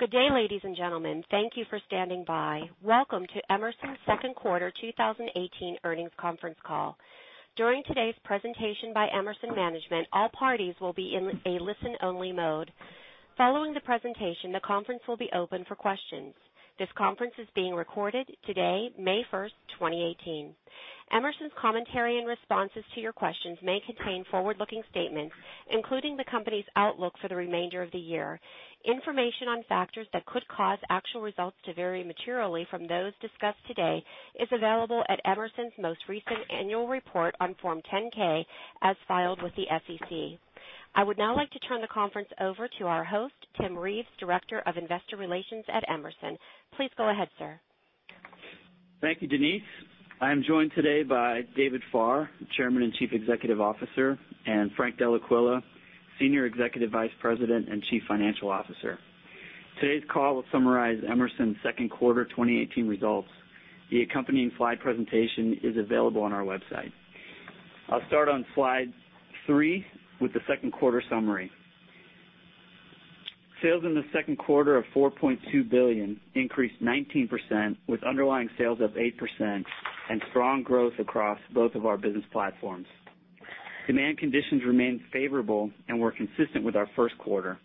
Good day, ladies and gentlemen. Thank you for standing by. Welcome to Emerson's second quarter 2018 earnings conference call. During today's presentation by Emerson management, all parties will be in a listen-only mode. Following the presentation, the conference will be open for questions. This conference is being recorded today, May 1st, 2018. Emerson's commentary and responses to your questions may contain forward-looking statements, including the company's outlook for the remainder of the year. Information on factors that could cause actual results to vary materially from those discussed today is available at Emerson's most recent annual report on Form 10-K as filed with the SEC. I would now like to turn the conference over to our host, Tim Reeves, Director of Investor Relations at Emerson. Please go ahead, sir. Thank you, Denise. I am joined today by David Farr, Chairman and Chief Executive Officer, and Frank Dellaquila, Senior Executive Vice President and Chief Financial Officer. Today's call will summarize Emerson's second quarter 2018 results. The accompanying slide presentation is available on our website. I'll start on slide three with the second quarter summary. Sales in the second quarter of $4.2 billion increased 19%, with underlying sales up 8% and strong growth across both of our business platforms. Demand conditions remained favorable and were consistent with our first quarter.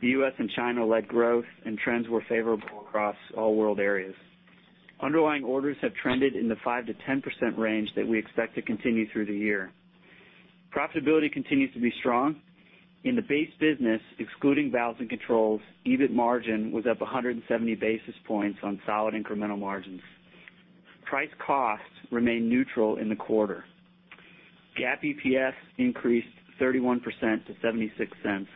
The U.S. and China led growth and trends were favorable across all world areas. Underlying orders have trended in the 5%-10% range that we expect to continue through the year. Profitability continues to be strong. In the base business, excluding Valves & Controls, EBIT margin was up 170 basis points on solid incremental margins. Price costs remained neutral in the quarter. GAAP EPS increased 31% to $0.76.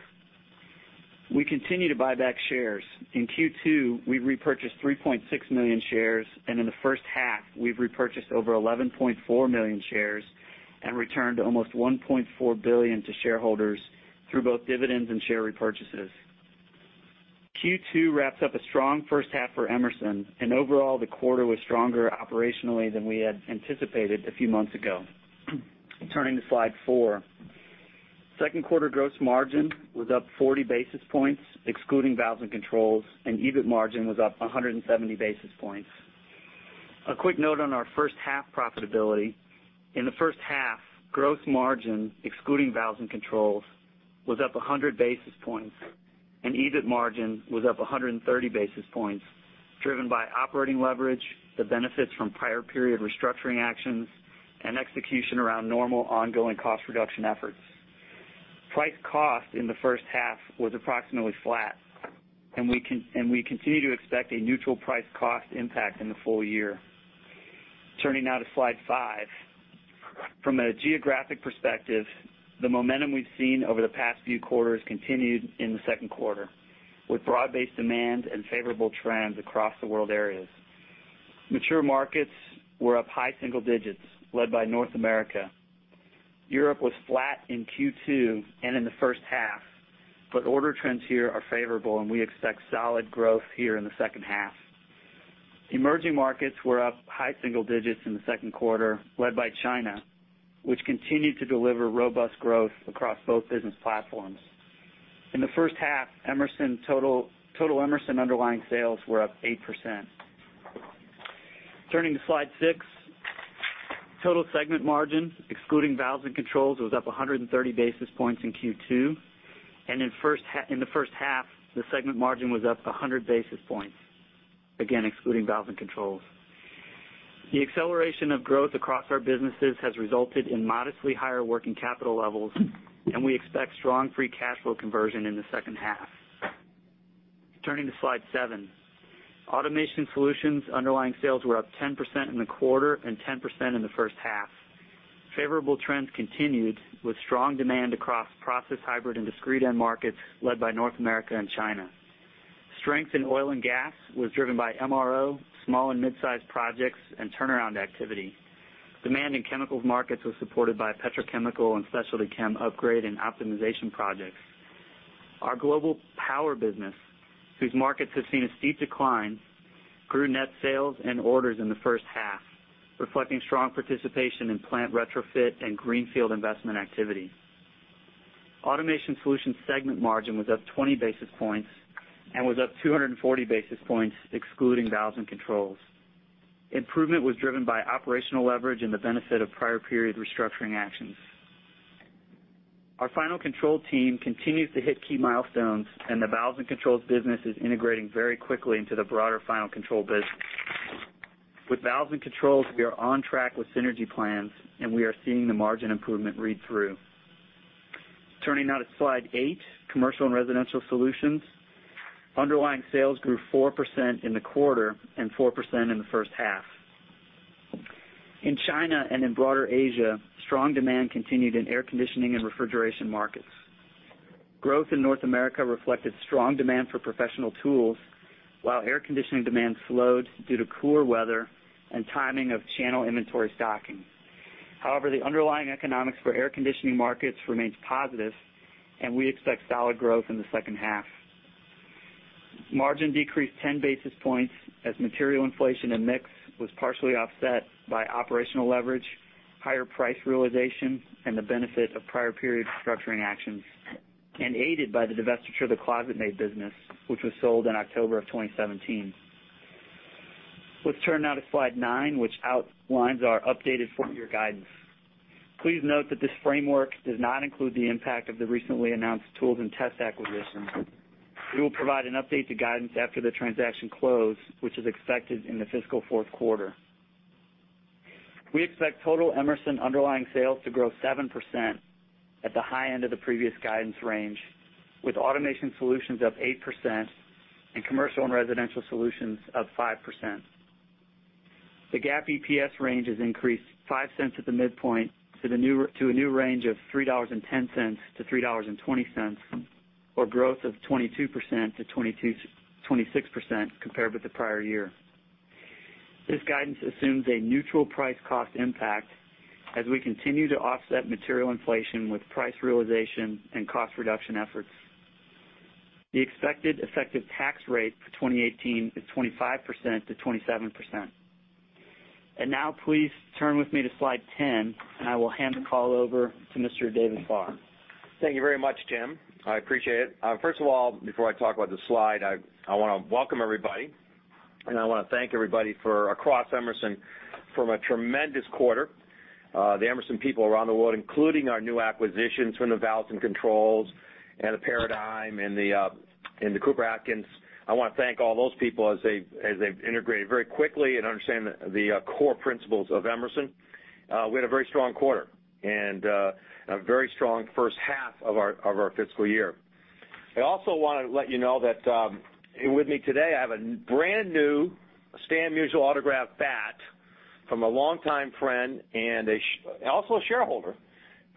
We continue to buy back shares. In Q2, we repurchased 3.6 million shares, and in the first half, we've repurchased over 11.4 million shares and returned almost $1.4 billion to shareholders through both dividends and share repurchases. Q2 wraps up a strong first half for Emerson, and overall, the quarter was stronger operationally than we had anticipated a few months ago. Turning to slide four. Second quarter gross margin was up 40 basis points, excluding Valves & Controls, and EBIT margin was up 170 basis points. A quick note on our first half profitability. In the first half, gross margin, excluding Valves & Controls, was up 100 basis points, and EBIT margin was up 130 basis points, driven by operating leverage, the benefits from prior period restructuring actions, and execution around normal ongoing cost reduction efforts. Price cost in the first half was approximately flat, and we continue to expect a neutral price cost impact in the full year. Turning now to slide five. From a geographic perspective, the momentum we've seen over the past few quarters continued in the second quarter, with broad-based demand and favorable trends across the world areas. Mature markets were up high single digits, led by North America. Europe was flat in Q2 and in the first half. Order trends here are favorable, and we expect solid growth here in the second half. Emerging markets were up high single digits in the second quarter, led by China, which continued to deliver robust growth across both business platforms. In the first half, total Emerson underlying sales were up 8%. Turning to slide six. Total segment margin, excluding Valves & Controls, was up 130 basis points in Q2, and in the first half, the segment margin was up 100 basis points, again, excluding Valves & Controls. The acceleration of growth across our businesses has resulted in modestly higher working capital levels, and we expect strong free cash flow conversion in the second half. Turning to slide seven. Automation Solutions underlying sales were up 10% in the quarter and 10% in the first half. Favorable trends continued with strong demand across process, hybrid, and discrete end markets, led by North America and China. Strength in oil and gas was driven by MRO, small and mid-sized projects, and turnaround activity. Demand in chemicals markets was supported by petrochemical and specialty chem upgrade and optimization projects. Our global power business, whose markets have seen a steep decline, grew net sales and orders in the first half, reflecting strong participation in plant retrofit and greenfield investment activity. Automation Solutions segment margin was up 20 basis points and was up 240 basis points excluding Valves & Controls. Improvement was driven by operational leverage and the benefit of prior period restructuring actions. Our final control team continues to hit key milestones, and the Valves & Controls business is integrating very quickly into the broader final control business. With Valves & Controls, we are on track with synergy plans, and we are seeing the margin improvement read through. Turning now to slide eight, Commercial & Residential Solutions. Underlying sales grew 4% in the quarter and 4% in the first half. In China and in broader Asia, strong demand continued in air conditioning and refrigeration markets. Growth in North America reflected strong demand for professional tools, while air conditioning demand slowed due to cooler weather and timing of channel inventory stocking. However, the underlying economics for air conditioning markets remains positive, and we expect solid growth in the second half. Margin decreased 10 basis points as material inflation and mix was partially offset by operational leverage. Higher price realization and the benefit of prior period restructuring actions, and aided by the divestiture of the ClosetMaid business, which was sold in October of 2017. Let's turn now to slide nine, which outlines our updated full-year guidance. Please note that this framework does not include the impact of the recently announced tools and test acquisition. We will provide an update to guidance after the transaction close, which is expected in the fiscal fourth quarter. We expect total Emerson underlying sales to grow 7% at the high end of the previous guidance range, with Automation Solutions up 8% and Commercial & Residential Solutions up 5%. The GAAP EPS range is increased $0.05 at the midpoint to a new range of $3.10-$3.20, or growth of 22%-26% compared with the prior year. This guidance assumes a neutral price cost impact as we continue to offset material inflation with price realization and cost reduction efforts. The expected effective tax rate for 2018 is 25%-27%. Now please turn with me to slide 10, I will hand the call over to Mr. David Farr. Thank you very much, Tim. I appreciate it. First of all, before I talk about the slide, I want to welcome everybody, and I want to thank everybody for across Emerson for a tremendous quarter. The Emerson people around the world, including our new acquisitions from the Valves & Controls and the Paradigm and the Cooper-Atkins. I want to thank all those people as they've integrated very quickly and understand the core principles of Emerson. We had a very strong quarter, and a very strong first half of our fiscal year. I also want to let you know that with me today, I have a brand-new Stan Musial autographed bat from a longtime friend and also a shareholder,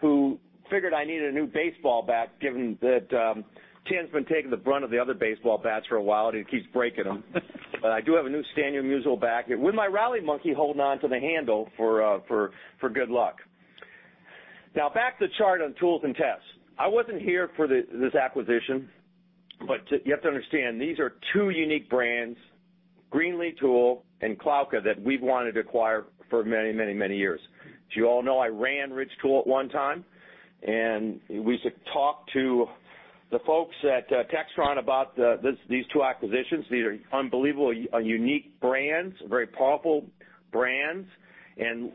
who figured I needed a new baseball bat given that Tim's been taking the brunt of the other baseball bats for a while, and he keeps breaking them. I do have a new Stan Musial bat with my rally monkey holding on to the handle for good luck. Now back to the chart on tools and tests. I wasn't here for this acquisition, but you have to understand, these are two unique brands, Greenlee Tool and Klauke, that we've wanted to acquire for many years. As you all know, I ran Ridge Tool at one time, and we used to talk to the folks at Textron about these two acquisitions. These are unbelievable, unique brands, very powerful brands.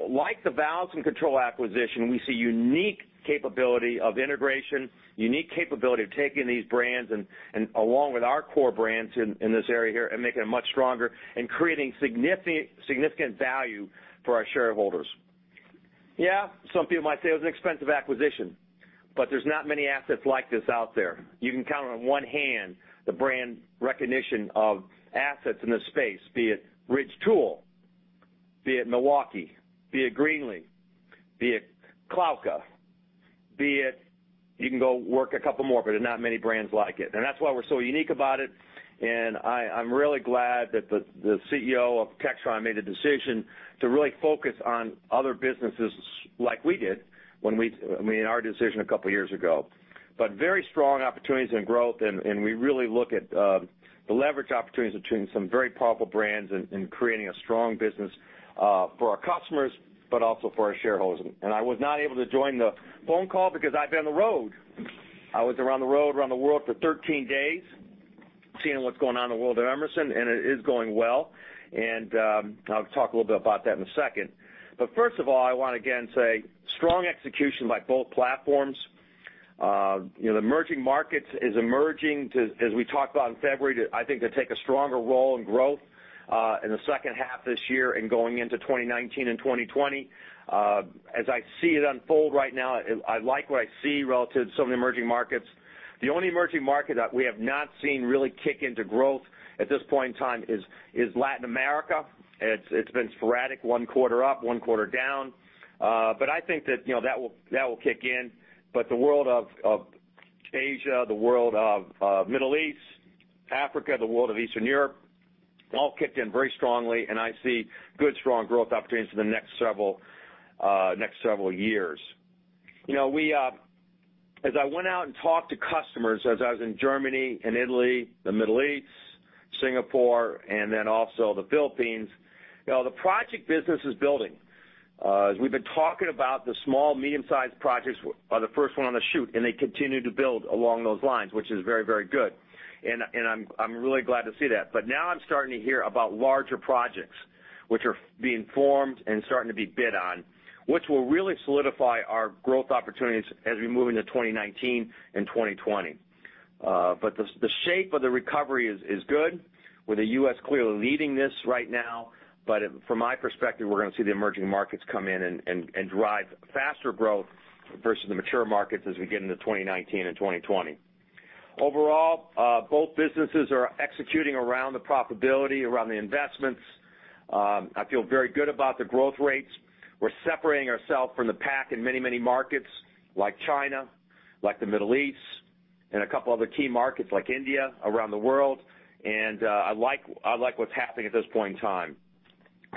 Like the Valves & Controls acquisition, we see unique capability of integration, unique capability of taking these brands, and along with our core brands in this area here, and making them much stronger and creating significant value for our shareholders. Some people might say it was an expensive acquisition, but there's not many assets like this out there. You can count on one hand the brand recognition of assets in this space, be it Ridge Tool, be it Milwaukee, be it Greenlee, be it Klauke. You can go work a couple more, but there's not many brands like it. That's why we're so unique about it, and I'm really glad that the CEO of Textron made the decision to really focus on other businesses like we did when we made our decision a couple of years ago. Very strong opportunities in growth, and we really look at the leverage opportunities between some very powerful brands and creating a strong business for our customers, but also for our shareholders. I was not able to join the phone call because I've been on the road. I was around the world for 13 days, seeing what's going on in the world at Emerson, and it is going well. I'll talk a little bit about that in a second. First of all, I want to again say strong execution by both platforms. The emerging markets is emerging, as we talked about in February, I think, to take a stronger role in growth in the second half of this year and going into 2019 and 2020. As I see it unfold right now, I like what I see relative to some of the emerging markets. The only emerging market that we have not seen really kick into growth at this point in time is Latin America. It's been sporadic, one quarter up, one quarter down. I think that that will kick in. The world of Asia, the world of Middle East, Africa, the world of Eastern Europe, all kicked in very strongly, and I see good, strong growth opportunities for the next several years. As I went out and talked to customers as I was in Germany and Italy, the Middle East, Singapore, and then also the Philippines, the project business is building. As we have been talking about the small, medium-sized projects are the first one on the chute, and they continue to build along those lines, which is very good. I am really glad to see that. Now I am starting to hear about larger projects, which are being formed and starting to be bid on, which will really solidify our growth opportunities as we move into 2019 and 2020. The shape of the recovery is good, with the U.S. clearly leading this right now. From my perspective, we are going to see the emerging markets come in and drive faster growth versus the mature markets as we get into 2019 and 2020. Overall, both businesses are executing around the profitability, around the investments. I feel very good about the growth rates. We are separating ourselves from the pack in many markets, like China, like the Middle East, and a couple other key markets like India, around the world. I like what is happening at this point in time.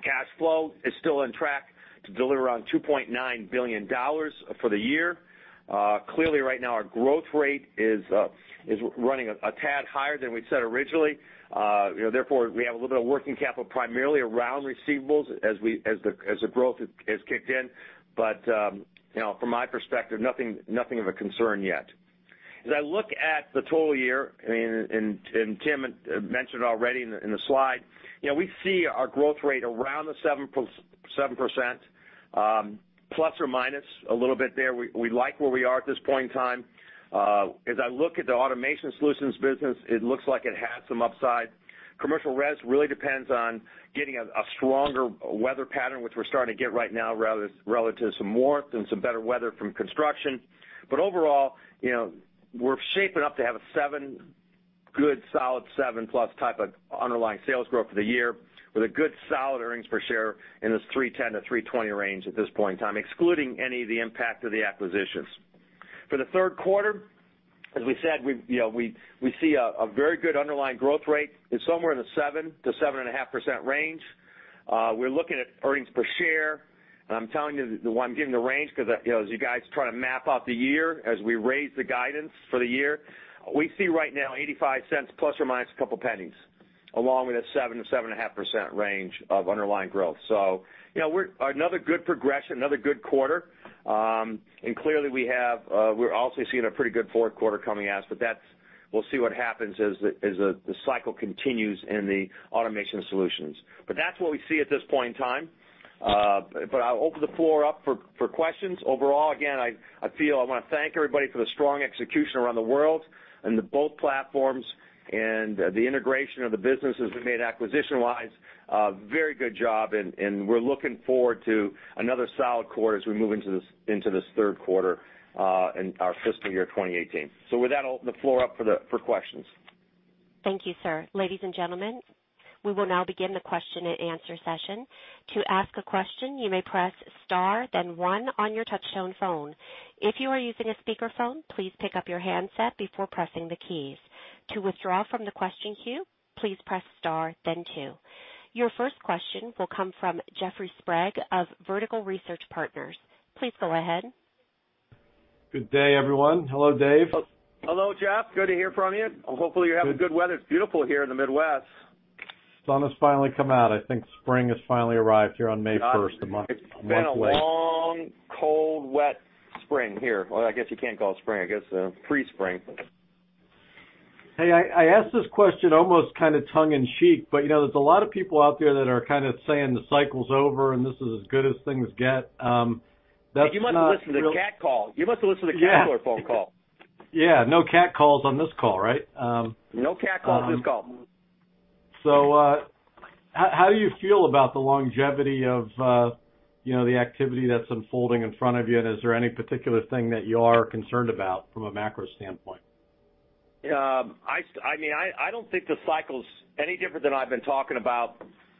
Cash flow is still on track to deliver around $2.9 billion for the year. Clearly, right now, our growth rate is running a tad higher than we said originally. Therefore, we have a little bit of working capital primarily around receivables as the growth has kicked in. From my perspective, nothing of a concern yet. As I look at the total year, Tim mentioned already in the slide, we see our growth rate around the 7%, plus or minus a little bit there. We like where we are at this point in time. As I look at the Automation Solutions business, it looks like it has some upside. Commercial RES really depends on getting a stronger weather pattern, which we are starting to get right now, relative to some warmth and some better weather from construction. Overall, we are shaping up to have a good, solid 7-plus type of underlying sales growth for the year, with a good solid earnings per share in this $3.10-$3.20 range at this point in time, excluding any of the impact of the acquisitions. For the third quarter, as we said, we see a very good underlying growth rate. It is somewhere in the 7%-7.5% range. We are looking at earnings per share. I am telling you why I am giving the range, because as you guys try to map out the year, as we raise the guidance for the year, we see right now $0.85 plus or minus $0.02, along with a 7%-7.5% range of underlying growth. Another good progression, another good quarter. Clearly, we are also seeing a pretty good fourth quarter coming at us. We will see what happens as the cycle continues in the Automation Solutions. That is what we see at this point in time. I will open the floor up for questions. Overall, again, I want to thank everybody for the strong execution around the world in the both platforms, and the integration of the businesses we made acquisition-wise. Very good job. We're looking forward to another solid quarter as we move into this third quarter in our fiscal year 2018. With that, I'll open the floor up for questions. Thank you, sir. Ladies and gentlemen, we will now begin the question and answer session. To ask a question, you may press star then one on your touchtone phone. If you are using a speakerphone, please pick up your handset before pressing the keys. To withdraw from the question queue, please press star then two. Your first question will come from Jeffrey Sprague of Vertical Research Partners. Please go ahead. Good day, everyone. Hello, Dave. Hello, Jeff. Good to hear from you. Hopefully, you're having good weather. It's beautiful here in the Midwest. Sun has finally come out. I think spring has finally arrived here on May 1st, a month late. I guess you can't call it spring. I guess pre-spring. I ask this question almost kind of tongue in cheek, but there's a lot of people out there that are kind of saying the cycle's over, and this is as good as things get. You must've listened to the CAT call. You must have listened to the CAT phone call. Yeah, no CAT calls on this call, right? No CAT calls on this call. How do you feel about the longevity of the activity that's unfolding in front of you? Is there any particular thing that you are concerned about from a macro standpoint? I don't think the cycle's any different than I've been talking about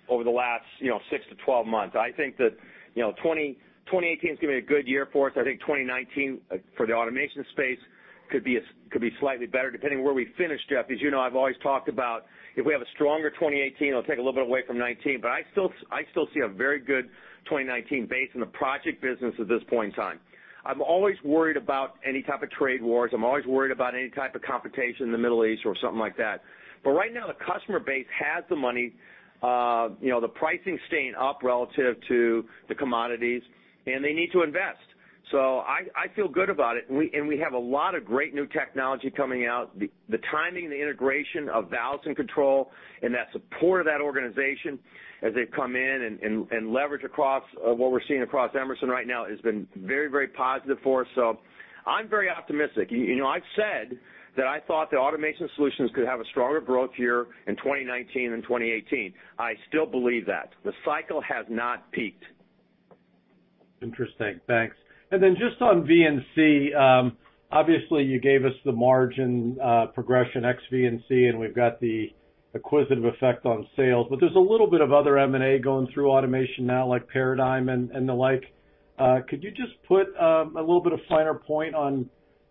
over the last 6-12 months. I think that 2018 is going to be a good year for us. I think 2019, for the automation space, could be slightly better, depending on where we finish, Jeff. As you know, I've always talked about if we have a stronger 2018, it'll take a little bit away from 2019. I still see a very good 2019 based on the project business at this point in time. I'm always worried about any type of trade wars. I'm always worried about any type of competition in the Middle East or something like that. Right now, the customer base has the money. The pricing's staying up relative to the commodities, and they need to invest. I feel good about it. We have a lot of great new technology coming out. The timing and the integration of Valves & Controls, and that support of that organization as they've come in and leverage what we're seeing across Emerson right now has been very positive for us. I'm very optimistic. I've said that I thought that Automation Solutions could have a stronger growth year in 2019 than 2018. I still believe that. The cycle has not peaked. Interesting. Thanks. Just on V&C, obviously you gave us the margin progression ex V&C, and we've got the acquisitive effect on sales. There's a little bit of other M&A going through Automation now, like Paradigm and the like. Could you just put a little bit of finer point on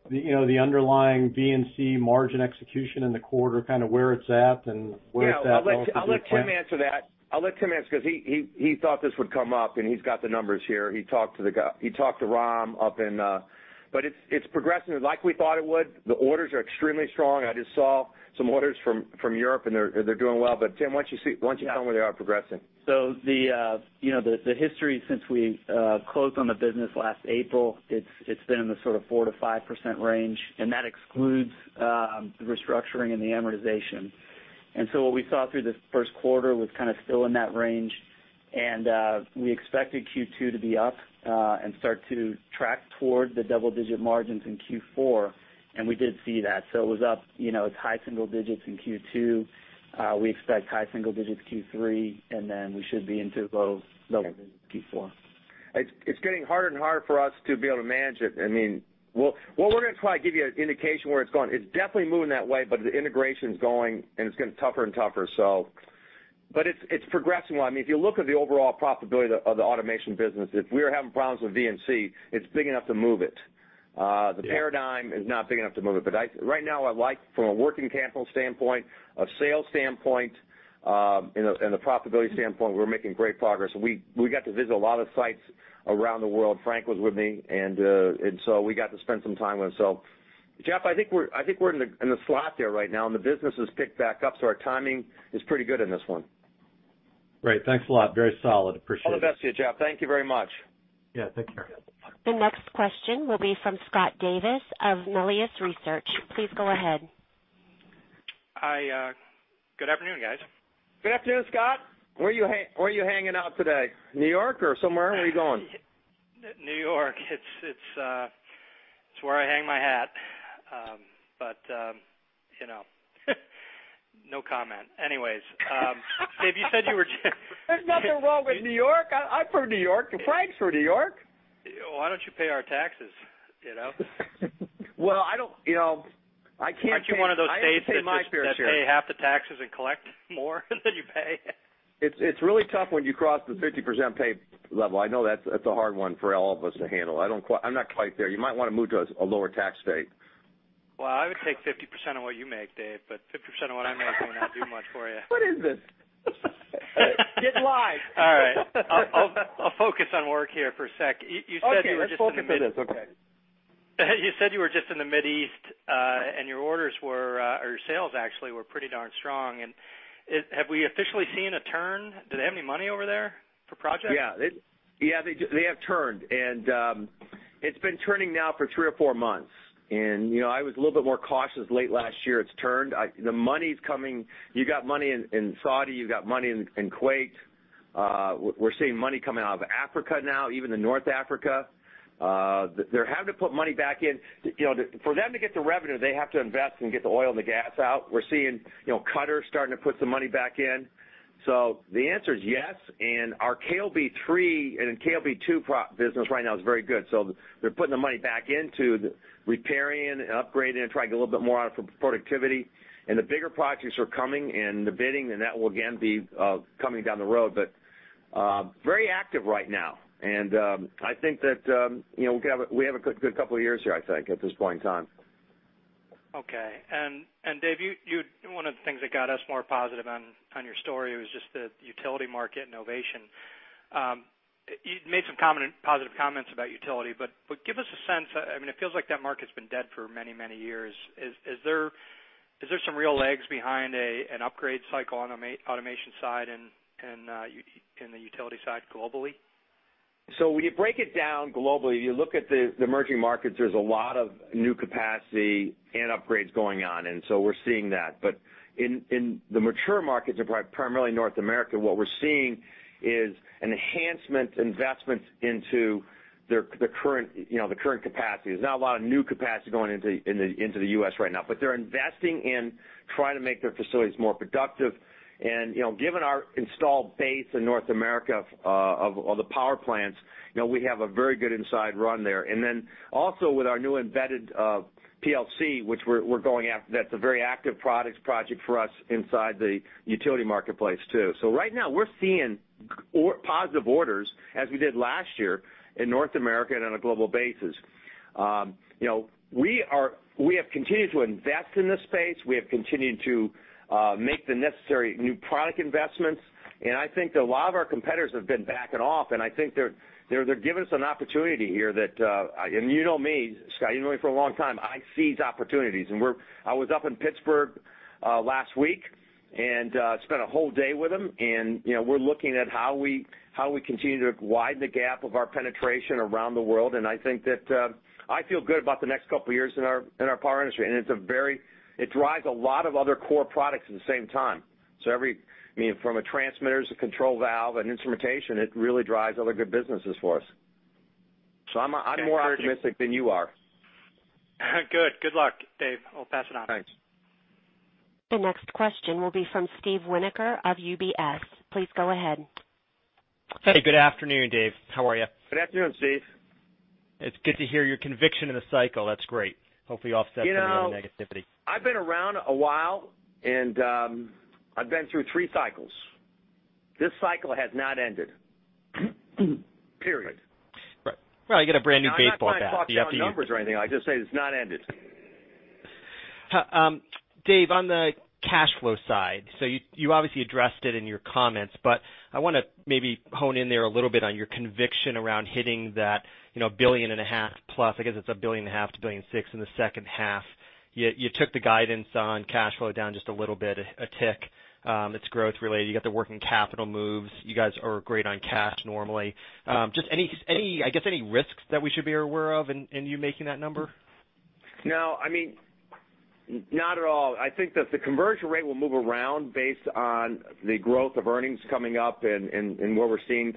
the underlying V&C margin execution in the quarter, kind of where it's at, and where it's at relative to the plan? I'll let Tim answer that. I'll let Tim answer, because he thought this would come up, and he's got the numbers here. He talked to Ram. It's progressing like we thought it would. The orders are extremely strong. I just saw some orders from Europe, and they're doing well. Tim, why don't you tell me how they are progressing? The history since we closed on the business last April, it's been in the sort of 4%-5% range, and that excludes the restructuring and the amortization. What we saw through the first quarter was kind of still in that range, and we expected Q2 to be up, and start to track toward the double-digit margins in Q4. We did see that. It was up. It's high single digits in Q2. We expect high single digits Q3, and then we should be into low double digits Q4. It's getting harder and harder for us to be able to manage it. We're going to try to give you an indication where it's going. It's definitely moving that way, the integration's going, and it's getting tougher and tougher. It's progressing well. If you look at the overall profitability of the automation business, if we were having problems with V&C, it's big enough to move it. Yeah. The Paradigm is not big enough to move it. Right now, from a working capital standpoint, a sales standpoint, and a profitability standpoint, we're making great progress. We got to visit a lot of sites around the world. Frank was with me, and so we got to spend some time with him. Jeff, I think we're in the slot there right now, and the business has picked back up, so our timing is pretty good in this one. Great. Thanks a lot. Very solid. Appreciate it. All the best to you, Jeff. Thank you very much. Yeah. Take care. The next question will be from Scott Davis of Melius Research. Please go ahead. Good afternoon, guys. Good afternoon, Scott. Where are you hanging out today? New York or somewhere? Where are you going? New York. It's where I hang my hat. No comment. Anyways. Dave, you said you were- There's nothing wrong with New York. I'm from New York. Frank's from New York. Why don't you pay our taxes? Well, I can't pay- Aren't you one of those states that pay half the taxes and collect more than you pay? It's really tough when you cross the 50% pay level. I know that's a hard one for all of us to handle. I'm not quite there. You might want to move to a lower tax state. Well, I would take 50% of what you make, Dave. 50% of what I make will not do much for you. What is this? It's live. All right. I'll focus on work here for a sec. You said you were just in the- Okay. Let's focus. Okay You said you were just in the Mid East, your orders, or your sales actually, were pretty darn strong. Have we officially seen a turn? Do they have any money over there for projects? Yeah. They have turned, it's been turning now for three or four months, I was a little bit more cautious late last year. It's turned. The money's coming. You got money in Saudi, you've got money in Kuwait. We're seeing money coming out of Africa now, even the North Africa. They're having to put money back in. For them to get the revenue, they have to invest and get the oil and the gas out. We're seeing Qatar starting to put some money back in. The answer is yes. Our KOB3 and KOB2 business right now is very good. They're putting the money back into repairing, upgrading, and trying to get a little bit more out for productivity. The bigger projects are coming, and the bidding, that will again be coming down the road. Very active right now. I think that we have a good couple of years here, I think, at this point in time. Okay. Dave, one of the things that got us more positive on your story was just the utility market and Ovation. You made some positive comments about utility, but give us a sense. It feels like that market's been dead for many, many years. Is there some real legs behind an upgrade cycle on automation side and the utility side globally? When you break it down globally, you look at the emerging markets, there's a lot of new capacity and upgrades going on, so we're seeing that. In the mature markets, primarily North America, what we're seeing is enhancement investments into the current capacity. There's not a lot of new capacity going into the U.S. right now, but they're investing in trying to make their facilities more productive. Given our installed base in North America of all the power plants, we have a very good inside run there. Also with our new embedded PLC, which we're going after, that's a very active project for us inside the utility marketplace, too. Right now, we're seeing positive orders, as we did last year, in North America and on a global basis. We have continued to invest in this space. We have continued to make the necessary new product investments, I think that a lot of our competitors have been backing off, I think they're giving us an opportunity here that You know me, Scott, you've known me for a long time. I seize opportunities, I was up in Pittsburgh last week and spent a whole day with them, we're looking at how we continue to widen the gap of our penetration around the world. I feel good about the next couple of years in our power industry, it drives a lot of other core products at the same time. From transmitters to control valve and instrumentation, it really drives other good businesses for us. I'm more optimistic than you are. Good. Good luck, Dave. I'll pass it on. Thanks. The next question will be from Steve Winoker of UBS. Please go ahead. Hey, good afternoon, Dave. How are you? Good afternoon, Steve. It's good to hear your conviction in the cycle. That's great. Hopefully offset some of the negativity. I've been around a while, and I've been through three cycles. This cycle has not ended. Period. Right. I get a brand new baseball bat. I'm not trying to talk to you on numbers or anything. I'm just saying it's not ended. Dave, on the cash flow side, you obviously addressed it in your comments, but I want to maybe hone in there a little bit on your conviction around hitting that $1.5 billion plus. I guess it's $1.5 billion to $1.6 billion in the second half. You took the guidance on cash flow down just a little bit, a tick. It's growth-related. You got the working capital moves. You guys are great on cash normally. Just any risks that we should be aware of in you making that number? No, not at all. I think that the conversion rate will move around based on the growth of earnings coming up and what we're seeing.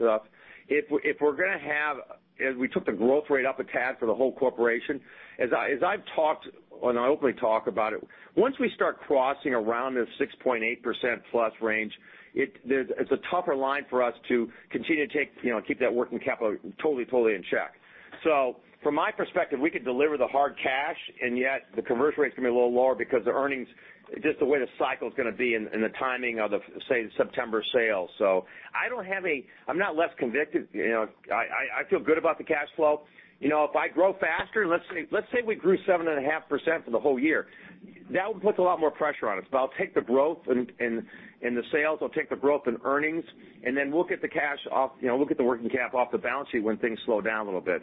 We took the growth rate up a tad for the whole corporation. As I've talked, and I openly talk about it, once we start crossing around the 6.8%+ range, it's a tougher line for us to continue to keep that working capital totally in check. From my perspective, we could deliver the hard cash, and yet the conversion rate's going to be a little lower because the earnings, just the way the cycle's going to be and the timing of the, say, September sales. I'm not less convicted. I feel good about the cash flow. If I grow faster, let's say we grew 7.5% for the whole year. That would put a lot more pressure on us. I'll take the growth and the sales, I'll take the growth in earnings, and then we'll get the working cap off the balance sheet when things slow down a little bit.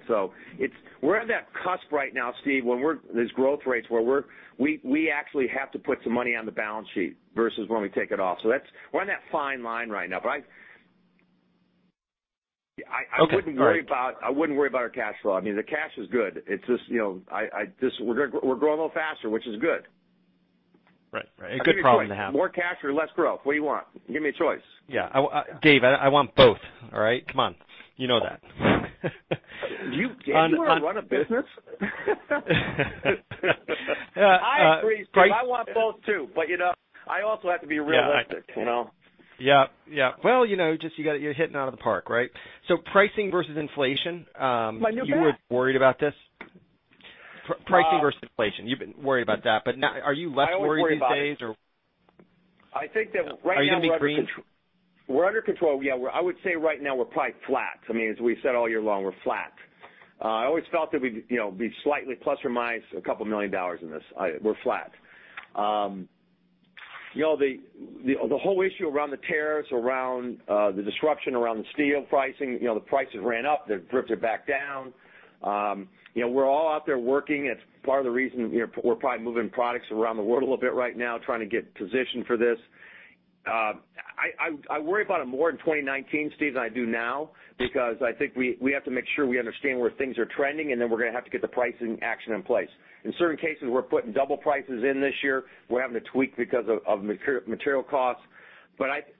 We're in that cusp right now, Steve, these growth rates where we actually have to put some money on the balance sheet versus when we take it off. We're on that fine line right now. I wouldn't worry about our cash flow. I mean, the cash is good. We're growing a little faster, which is good. Right. A good problem to have. I'll give you a choice. More cash or less growth? What do you want? Give me a choice. Yeah. Dave, I want both. All right? Come on. You know that. Dave, do you ever run a business? I agree, Steve. I want both, too. I also have to be realistic. Yeah. Well, you're hitting out of the park, right? Pricing versus inflation. My new bat You were worried about this. Pricing versus inflation. You've been worried about that. Now, are you less worried these days or? I always worry about it. I think that right now we're under control. Are you going to be green? We're under control. Yeah, I would say right now we're probably flat. I mean, as we've said all year long, we're flat. I always felt that we'd be slightly, plus or minus a couple million dollars in this. We're flat. The whole issue around the tariffs, around the disruption, around the steel pricing, the prices ran up, they've drifted back down. We're all out there working. It's part of the reason we're probably moving products around the world a little bit right now, trying to get positioned for this. I worry about it more in 2019, Steve, than I do now, because I think we have to make sure we understand where things are trending, and then we're going to have to get the pricing action in place. In certain cases, we're putting double prices in this year. We're having to tweak because of material costs.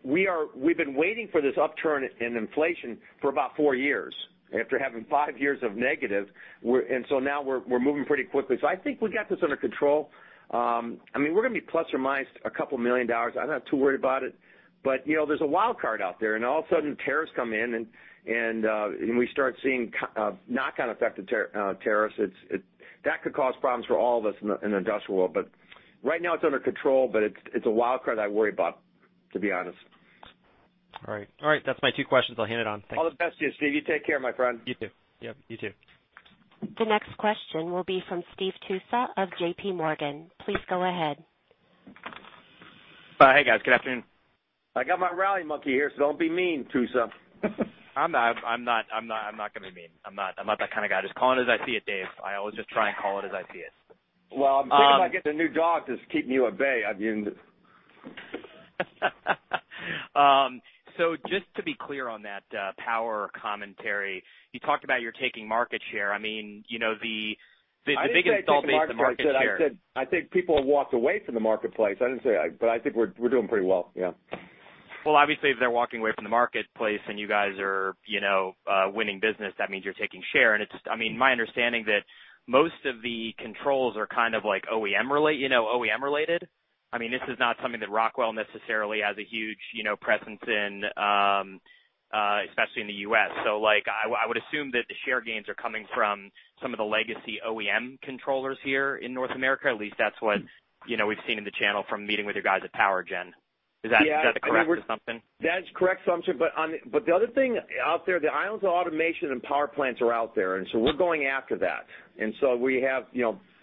We've been waiting for this upturn in inflation for about four years, after having five years of negative. Now we're moving pretty quickly. I think we got this under control. I mean, we're going to be plus or minus a couple million dollars. I'm not too worried about it. There's a wild card out there, and all of a sudden, tariffs come in, and we start seeing a knock-on effect of tariffs. That could cause problems for all of us in the industrial world. Right now it's under control, but it's a wild card I worry about, to be honest. All right. That's my two questions. I'll hand it on. Thanks. All the best to you, Steve. You take care, my friend. You, too. Yep, you too. The next question will be from Steve Tusa of JPMorgan. Please go ahead. Hi. Hey, guys. Good afternoon. I got my rally monkey here, don't be mean, Tusa. I'm not going to be mean. I'm not that kind of guy. Just calling it as I see it, Dave. I always just try and call it as I see it. Well, I'm thinking about getting a new dog to keep you at bay. Just to be clear on that Power commentary, you talked about you're taking market share. I mean, the biggest statement is the market share. I didn't say I'm taking market share. I said, I think people have walked away from the marketplace. I didn't say I. I think we're doing pretty well, yeah. Obviously, if they're walking away from the marketplace and you guys are winning business, that means you're taking share. It's just my understanding that most of the controls are kind of OEM-related. I mean, this is not something that Rockwell necessarily has a huge presence in, especially in the U.S. I would assume that the share gains are coming from some of the legacy OEM controllers here in North America. At least that's what we've seen in the channel from meeting with your guys at POWERGEN. Is that a correct assumption? That's a correct assumption, the other thing out there, the islands of automation and power plants are out there, we're going after that. We have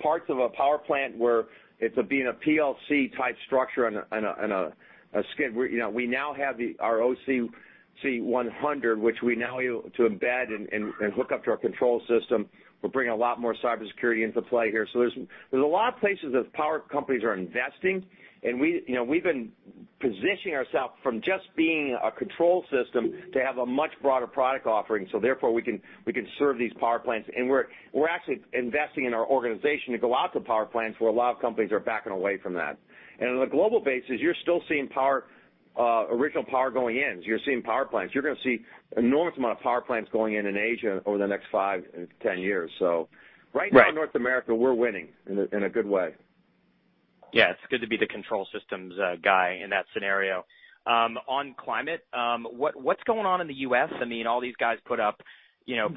parts of a power plant where it's being a PLC-type structure on a skid. We now have our OCC 100, which we now embed and hook up to our control system. We're bringing a lot more cybersecurity into play here. There's a lot of places that power companies are investing, and we've been positioning ourself from just being a control system to have a much broader product offering. Therefore, we can serve these power plants, and we're actually investing in our organization to go out to power plants, where a lot of companies are backing away from that. On a global basis, you're still seeing original power going in. You're seeing power plants. You're going to see enormous amount of power plants going in Asia over the next 5-10 years. Right now. Right In North America, we're winning in a good way. It's good to be the control systems guy in that scenario. On climate, what's going on in the U.S.? I mean, all these guys put up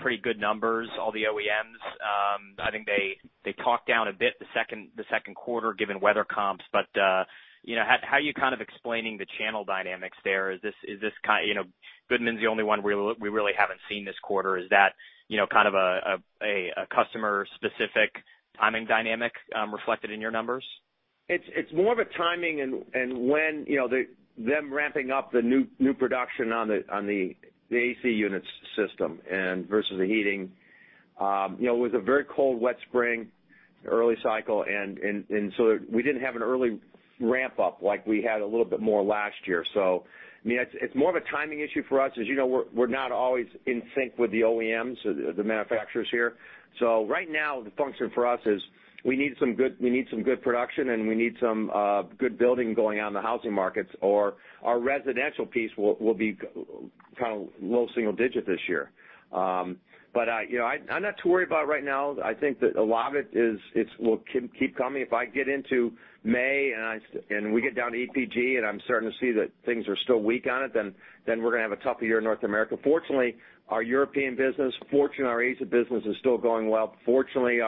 pretty good numbers, all the OEMs. I think they talked down a bit the second quarter given weather comps. How are you kind of explaining the channel dynamics there? Goodman's the only one we really haven't seen this quarter. Is that kind of a customer-specific timing dynamic reflected in your numbers? It's more of a timing and when. Them ramping up the new production on the AC units system versus the heating. It was a very cold, wet spring, early cycle, we didn't have an early ramp-up like we had a little bit more last year. I mean, it's more of a timing issue for us. As you know, we're not always in sync with the OEMs, the manufacturers here. Right now the function for us is we need some good production, and we need some good building going on in the housing markets, or our residential piece will be kind of low single-digit this year. I'm not too worried about it right now. I think that a lot of it will keep coming. If I get into May, we get down to EPG, I'm starting to see that things are still weak on it, we're going to have a tougher year in North America. Fortunately, our European business, fortunately, our Asia business is still going well. Fortunately,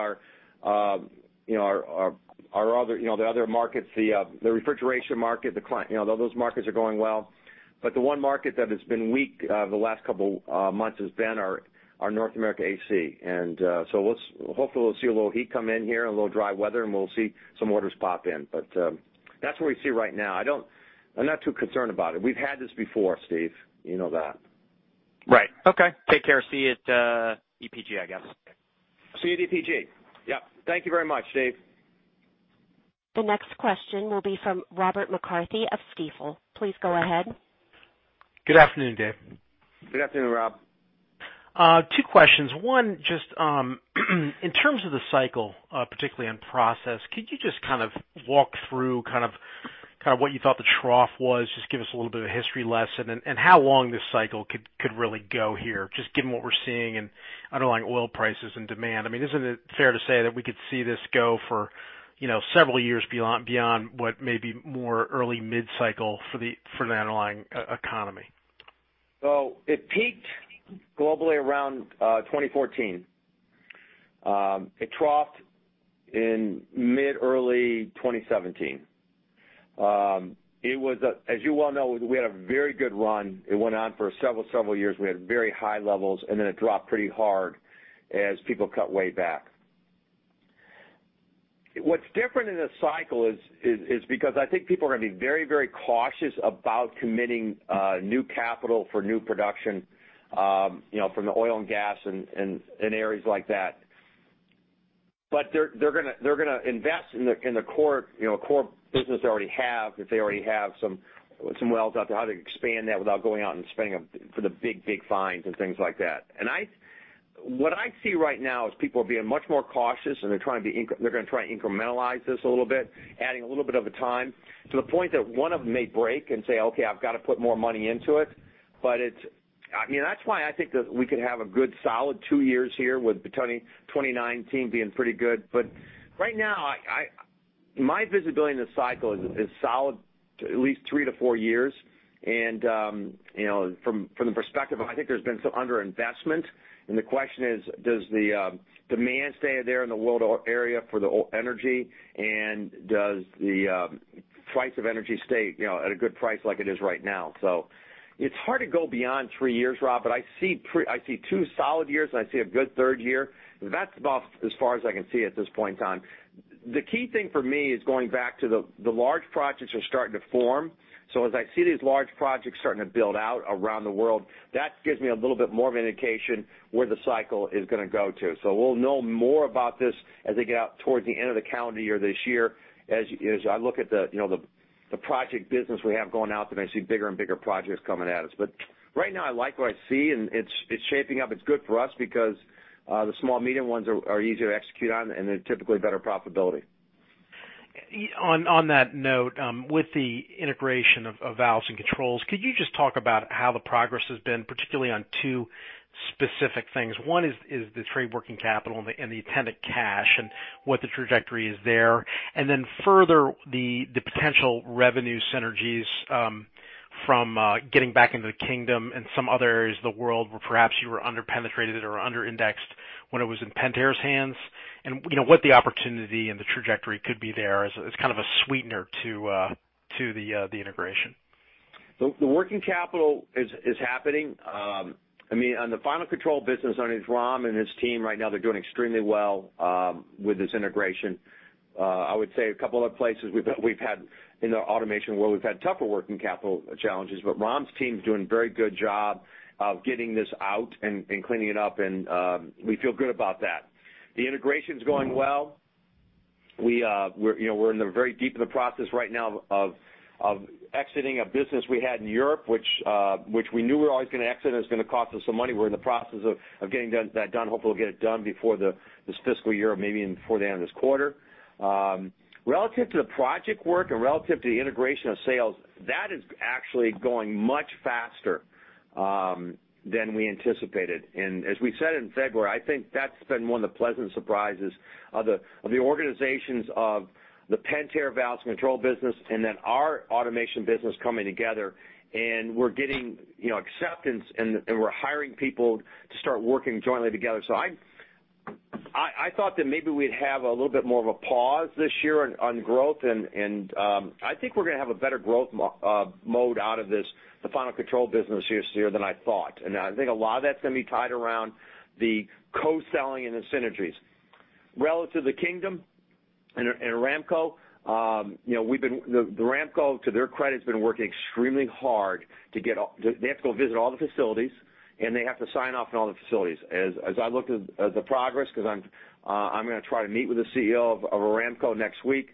the other markets, the refrigeration market, those markets are going well. The one market that has been weak the last couple months has been our North America AC. Hopefully we'll see a little heat come in here, a little dry weather, and we'll see some orders pop in. That's what we see right now. I'm not too concerned about it. We've had this before, Steve. You know that. Right. Okay. Take care. See you at EPG, I guess. See you at EPG. Yep. Thank you very much, Steve. The next question will be from Robert McCarthy of Stifel. Please go ahead. Good afternoon, Dave. Good afternoon, Rob. Two questions. One, just in terms of the cycle, particularly on process, could you just kind of walk through what you thought the trough was? Just give us a little bit of a history lesson, how long this cycle could really go here, just given what we're seeing in underlying oil prices and demand. Isn't it fair to say that we could see this go for several years beyond what may be more early mid-cycle for the underlying economy? It peaked globally around 2014. It troughed in mid-early 2017. As you well know, we had a very good run. It went on for several years. We had very high levels, and then it dropped pretty hard as people cut way back. What's different in this cycle is because I think people are going to be very, very cautious about committing new capital for new production from the oil and gas and areas like that. They're going to invest in the core business they already have, if they already have some wells out there, how to expand that without going out and spending for the big, big finds and things like that. What I see right now is people are being much more cautious, and they're going to try and incrementalize this a little bit, adding a little bit at a time, to the point that one of them may break and say, "Okay, I've got to put more money into it." That's why I think that we could have a good solid two years here with 2019 being pretty good. Right now, my visibility in this cycle is solid to at least three to four years. From the perspective of, I think there's been some under-investment, and the question is: Does the demand stay there in the world area for the energy, and does the price of energy stay at a good price like it is right now? It's hard to go beyond three years, Rob, I see two solid years, and I see a good third year. That's about as far as I can see at this point in time. The key thing for me is going back to the large projects are starting to form. As I see these large projects starting to build out around the world, that gives me a little bit more of an indication where the cycle is going to go to. We'll know more about this as they get out towards the end of the calendar year this year. As I look at the project business we have going out there, and I see bigger and bigger projects coming at us. Right now, I like what I see, and it's shaping up. It's good for us because the small, medium ones are easier to execute on, and they're typically better profitability. On that note, with the integration of Valves & Controls, could you just talk about how the progress has been, particularly on 2 specific things? One is the trade working capital and the attendant cash, and what the trajectory is there. Further, the potential revenue synergies from getting back into the Kingdom and some other areas of the world where perhaps you were under-penetrated or under-indexed when it was in Pentair's hands. What the opportunity and the trajectory could be there as kind of a sweetener to the integration. The working capital is happening. On the Final Control business, Ram and his team right now, they're doing extremely well with this integration. I would say a couple of other places in the Automation world, we've had tougher working capital challenges, but Ram's team is doing a very good job of getting this out and cleaning it up, and we feel good about that. The integration's going well. We're very deep in the process right now of exiting a business we had in Europe, which we knew we were always going to exit, and it's going to cost us some money. We're in the process of getting that done. Hopefully, we'll get it done before this fiscal year, maybe before the end of this quarter. Relative to the project work and relative to the integration of sales, that is actually going much faster than we anticipated. As we said in February, I think that's been one of the pleasant surprises of the organizations of the Pentair Valves & Controls business and then our Automation business coming together, we're getting acceptance, and we're hiring people to start working jointly together. I thought that maybe we'd have a little bit more of a pause this year on growth, I think we're going to have a better growth mode out of this, the Final Control business this year than I thought. I think a lot of that's going to be tied around the co-selling and the synergies. Relative to the Kingdom and Aramco. Aramco, to their credit, has been working extremely hard. They have to go visit all the facilities, they have to sign off on all the facilities. As I look at the progress, because I'm going to try to meet with the CEO of Aramco next week.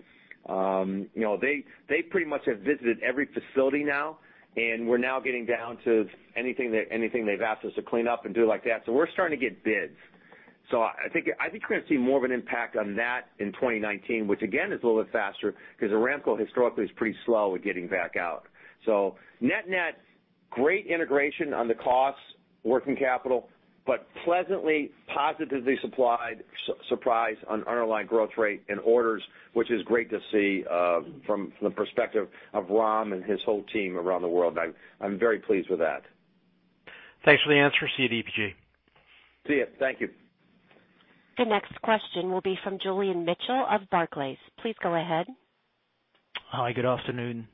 They pretty much have visited every facility now, and we're now getting down to anything they've asked us to clean up and do like that. We're starting to get bids. I think we're going to see more of an impact on that in 2019, which again, is a little bit faster because Aramco historically is pretty slow at getting back out. Net-net, great integration on the costs, working capital, but pleasantly positively surprised on underlying growth rate and orders, which is great to see from the perspective of Ram and his whole team around the world. I'm very pleased with that. Thanks for the answer. See you at EPG. See you. Thank you. The next question will be from Julian Mitchell of Barclays. Please go ahead. Hi. Good afternoon.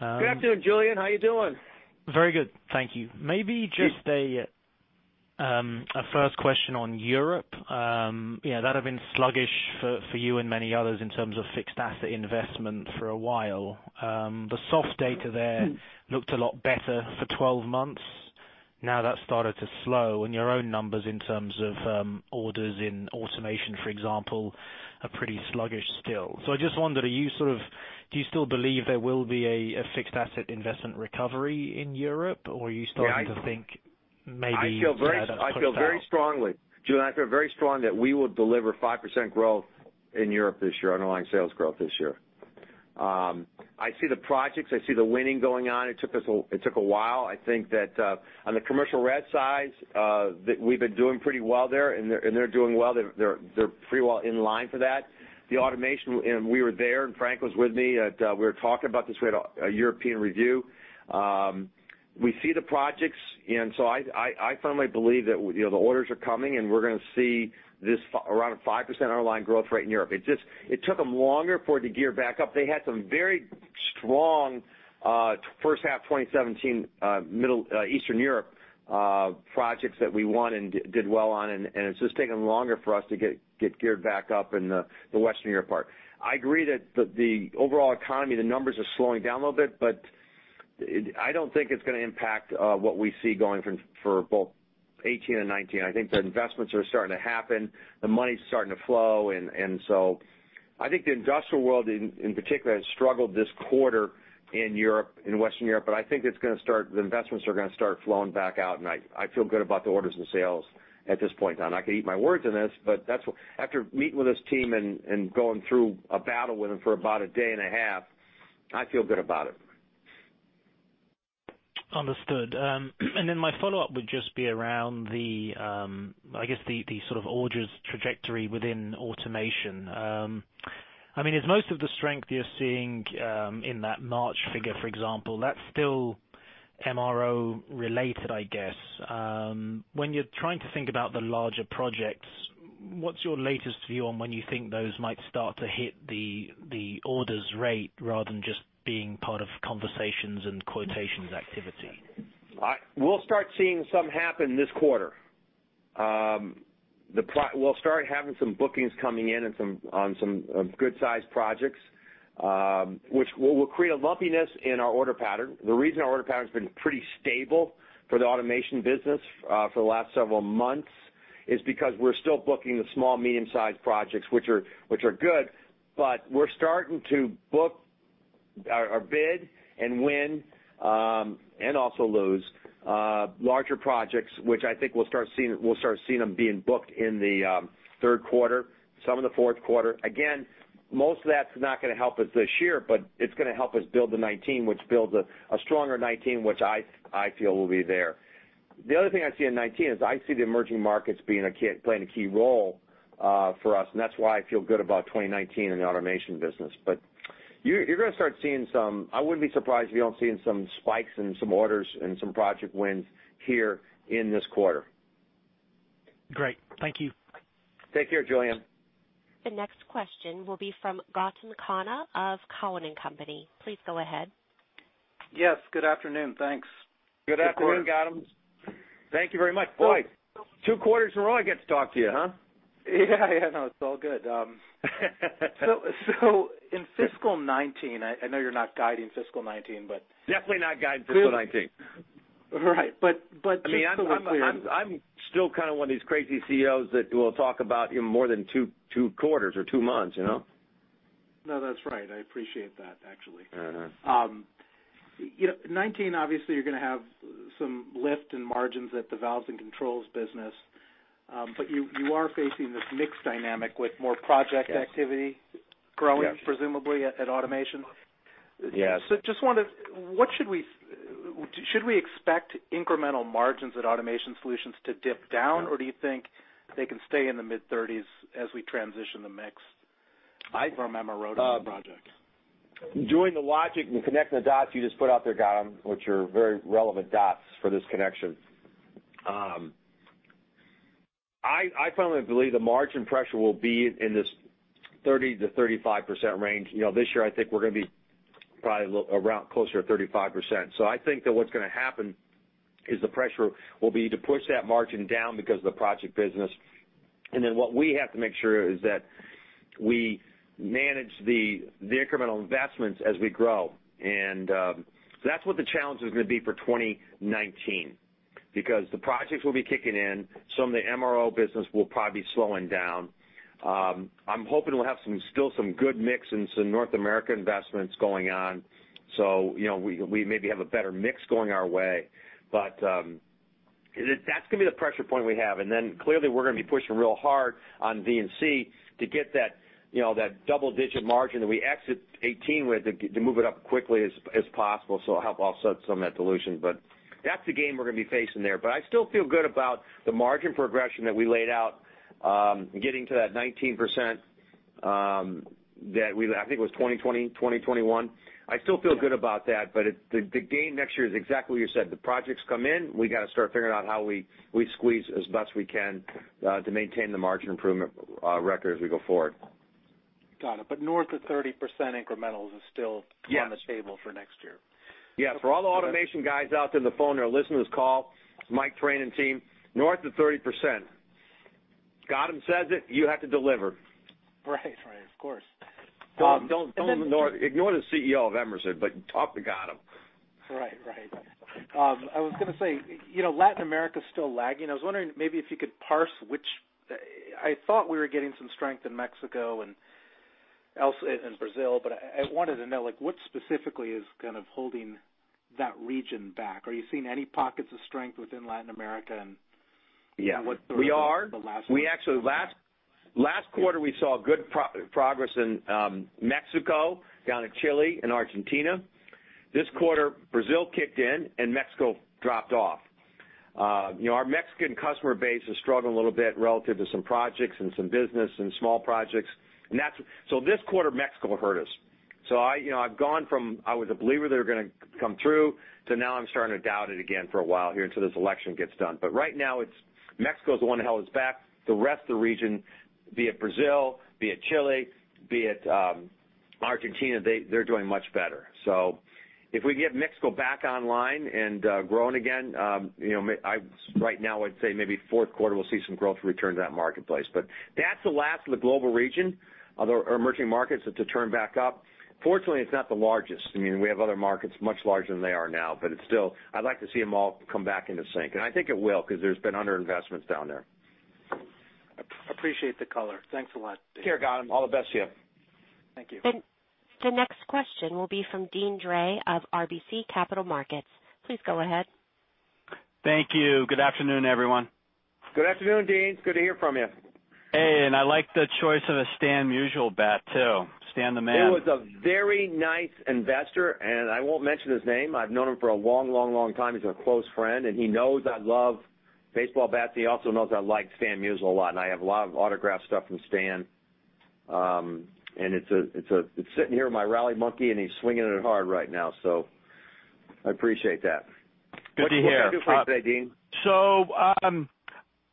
Good afternoon, Julian. How are you doing? Very good. Thank you. Maybe just a first question on Europe. That had been sluggish for you and many others in terms of fixed asset investment for a while. The soft data there looked a lot better for 12 months. That's started to slow, and your own numbers in terms of orders in automation, for example, are pretty sluggish still. I just wonder, do you still believe there will be a fixed asset investment recovery in Europe? Or are you starting to think maybe that has topped out? I feel very strongly, Julian. I feel very strongly that we will deliver 5% growth in Europe this year, underlying sales growth this year. I see the projects. I see the winning going on. It took a while. I think that on the Commercial & Residential side, we've been doing pretty well there, and they're doing well. They're pretty well in line for that. The Automation, we were there, and Frank was with me, we were talking about this. We had a European review. We see the projects, I firmly believe that the orders are coming, and we're going to see around a 5% underlying growth rate in Europe. It took them longer for it to gear back up. They had some very strong first half 2017 Eastern Europe projects that we won and did well on. It's just taken longer for us to get geared back up in the Western Europe part. I agree that the overall economy, the numbers are slowing down a little bit, I don't think it's going to impact what we see going for both 2018 and 2019. I think the investments are starting to happen. The money's starting to flow. I think the industrial world, in particular, has struggled this quarter in Western Europe, I think the investments are going to start flowing back out, and I feel good about the orders and sales at this point in time. I could eat my words on this, after meeting with this team and going through a battle with them for about a day and a half, I feel good about it. Understood. My follow-up would just be around the orders trajectory within Automation Solutions. Is most of the strength you're seeing in that March figure, for example, that's still MRO related, I guess. When you're trying to think about the larger projects, what's your latest view on when you think those might start to hit the orders rate rather than just being part of conversations and quotations activity? We'll start seeing some happen this quarter. We'll start having some bookings coming in on some good-sized projects, which will create a lumpiness in our order pattern. The reason our order pattern's been pretty stable for the Automation Solutions business for the last several months is because we're still booking the small, medium-sized projects, which are good, we're starting to book or bid and win, and also lose, larger projects, which I think we'll start seeing them being booked in the third quarter, some in the fourth quarter. Most of that's not going to help us this year, it's going to help us build the 2019, which builds a stronger 2019, which I feel will be there. The other thing I see in 2019 is I see the emerging markets playing a key role for us, and that's why I feel good about 2019 in the Automation Solutions business. You're going to start seeing some. I wouldn't be surprised if you don't see some spikes and some orders and some project wins here in this quarter. Great. Thank you. Take care, Julian. The next question will be from Gautam Khanna of Cowen and Company. Please go ahead. Yes, good afternoon. Thanks. Good afternoon, Gautam. Thank you very much. Boy, two quarters in a row I get to talk to you, huh? Yeah. No, it's all good. In fiscal 2019, I know you're not guiding fiscal 2019. Definitely not guiding fiscal 2019. Right. just so we're clear I'm still kind of one of these crazy CEOs that will talk about more than two quarters or two months. That's right. I appreciate that, actually. 2019, obviously, you're going to have some lift in margins at the Valves and Controls business. You are facing this mix dynamic with more project activity growing, presumably, at Automation. Yes. just wonder, should we expect incremental margins at Automation Solutions to dip down or do you think they can stay in the mid-30s as we transition the mix from MRO to project? Doing the logic and connecting the dots you just put out there, Gautam, which are very relevant dots for this connection. I firmly believe the margin pressure will be in this 30%-35% range. This year, I think we're going to be probably closer to 35%. I think that what's going to happen is the pressure will be to push that margin down because of the project business. What we have to make sure is that we manage the incremental investments as we grow. That's what the challenge is going to be for 2019. The projects will be kicking in. Some of the MRO business will probably be slowing down. I'm hoping we'll have still some good mix and some North America investments going on. We maybe have a better mix going our way. That's going to be the pressure point we have. Clearly, we're going to be pushing real hard on V&C to get that double-digit margin that we exit 2018 with to move it up quickly as possible, so it'll help offset some of that dilution. That's the game we're going to be facing there. I still feel good about the margin progression that we laid out, getting to that 19% that I think it was 2020, 2021. I still feel good about that, the game next year is exactly what you said. The projects come in. We got to start figuring out how we squeeze as best we can to maintain the margin improvement record as we go forward. Got it. North of 30% incremental is still on the table for next year? Yes. For all automation guys out there on the phone that are listening to this call, Mike Train and team, north of 30%. Gautam says it, you have to deliver. Right. Of course. Ignore the CEO of Emerson. Talk to Gautam. Right. I was going to say, Latin America is still lagging. I was wondering maybe if you could parse which I thought we were getting some strength in Mexico and Brazil, but I wanted to know what specifically is kind of holding that region back. Are you seeing any pockets of strength within Latin America? Yeah. We are the last one. Actually, last quarter, we saw good progress in Mexico, down in Chile, in Argentina. This quarter, Brazil kicked in and Mexico dropped off. Our Mexican customer base is struggling a little bit relative to some projects and some business and small projects. This quarter, Mexico hurt us. I've gone from, I was a believer they're going to come through, to now I'm starting to doubt it again for a while here until this election gets done. Right now, Mexico is the one holding us back. The rest of the region, be it Brazil, be it Chile, be it Argentina, they're doing much better. If we get Mexico back online and growing again, right now I'd say maybe fourth quarter we'll see some growth return to that marketplace. That's the last of the global region, our emerging markets, to turn back up. Fortunately, it's not the largest. We have other markets much larger than they are now, it's still, I'd like to see them all come back into sync. I think it will, because there's been under-investments down there. Appreciate the color. Thanks a lot. Sure, Gautam, all the best to you. Thank you. The next question will be from Deane Dray of RBC Capital Markets. Please go ahead. Thank you. Good afternoon, everyone. Good afternoon, Deane. It's good to hear from you. Hey, I like the choice of a Stan Musial bat, too. Stan the Man. There was a very nice investor, I won't mention his name. I've known him for a long time. He's a close friend, he knows I love baseball bats. He also knows I like Stan Musial a lot, I have a lot of autographed stuff from Stan. It's sitting here with my rally monkey, he's swinging it hard right now. I appreciate that. Good to hear. What can I do for you today, Deane?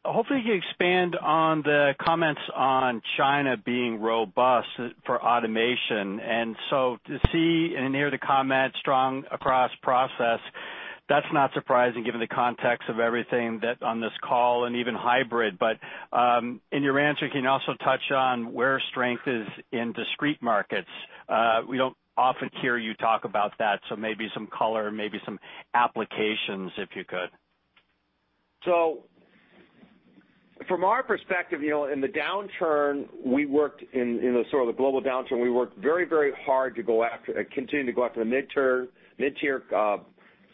Hopefully you expand on the comments on China being robust for automation. To see and hear the comment strong across process, that's not surprising given the context of everything on this call and even hybrid. In your answer, can you also touch on where strength is in discrete markets? We don't often hear you talk about that, so maybe some color, maybe some applications, if you could. From our perspective, in the global downturn, we worked very hard to continue to go after the mid-tier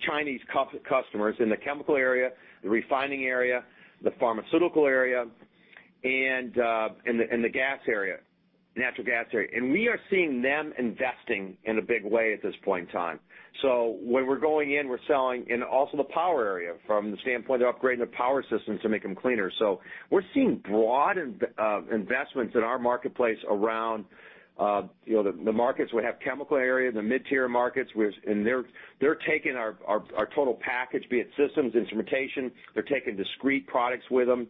Chinese customers in the chemical area, the refining area, the pharmaceutical area, and the natural gas area. We are seeing them investing in a big way at this point in time. Where we're going in, we're selling in also the power area from the standpoint of upgrading the power systems to make them cleaner. We're seeing broad investments in our marketplace around the markets. We have chemical area, the mid-tier markets, and they're taking our total package, be it systems, instrumentation. They're taking discrete products with them.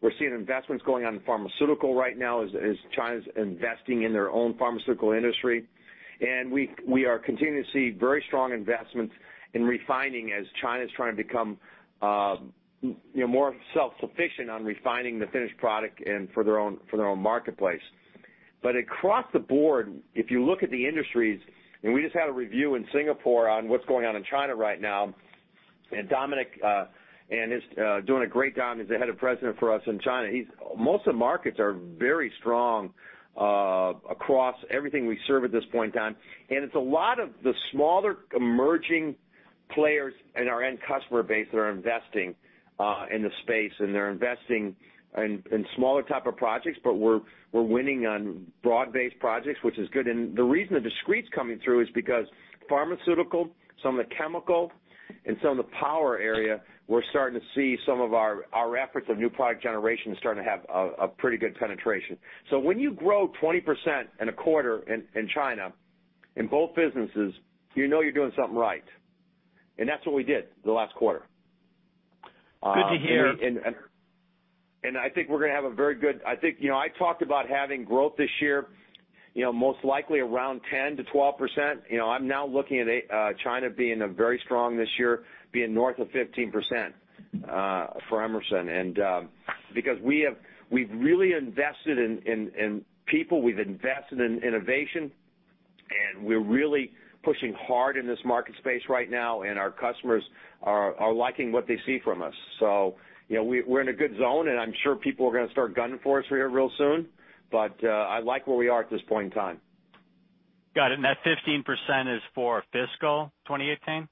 We're seeing investments going on in pharmaceutical right now as China's investing in their own pharmaceutical industry. We are continuing to see very strong investments in refining as China's trying to become more self-sufficient on refining the finished product for their own marketplace. Across the board, if you look at the industries, we just had a review in Singapore on what's going on in China right now. Dominic is doing a great job. He's the head of president for us in China. Most of the markets are very strong across everything we serve at this point in time. It's a lot of the smaller emerging players in our end customer base that are investing in the space, and they're investing in smaller type 2 projects, but we're winning on broad-based projects, which is good. The reason the Discrete's coming through is because pharmaceutical, some of the chemical, and some of the power area, we're starting to see some of our efforts of new product generation starting to have a pretty good penetration. When you grow 20% in a quarter in China in both businesses, you know you're doing something right. That's what we did the last quarter. Good to hear. I think we're going to have a very good. I talked about having growth this year, most likely around 10%-12%. I'm now looking at China being very strong this year, being north of 15% for Emerson. We've really invested in people, we've invested in innovation, and we're really pushing hard in this market space right now, and our customers are liking what they see from us. We're in a good zone, and I'm sure people are going to start gunning for us here real soon. I like where we are at this point in time. Got it. That 15% is for fiscal 2018?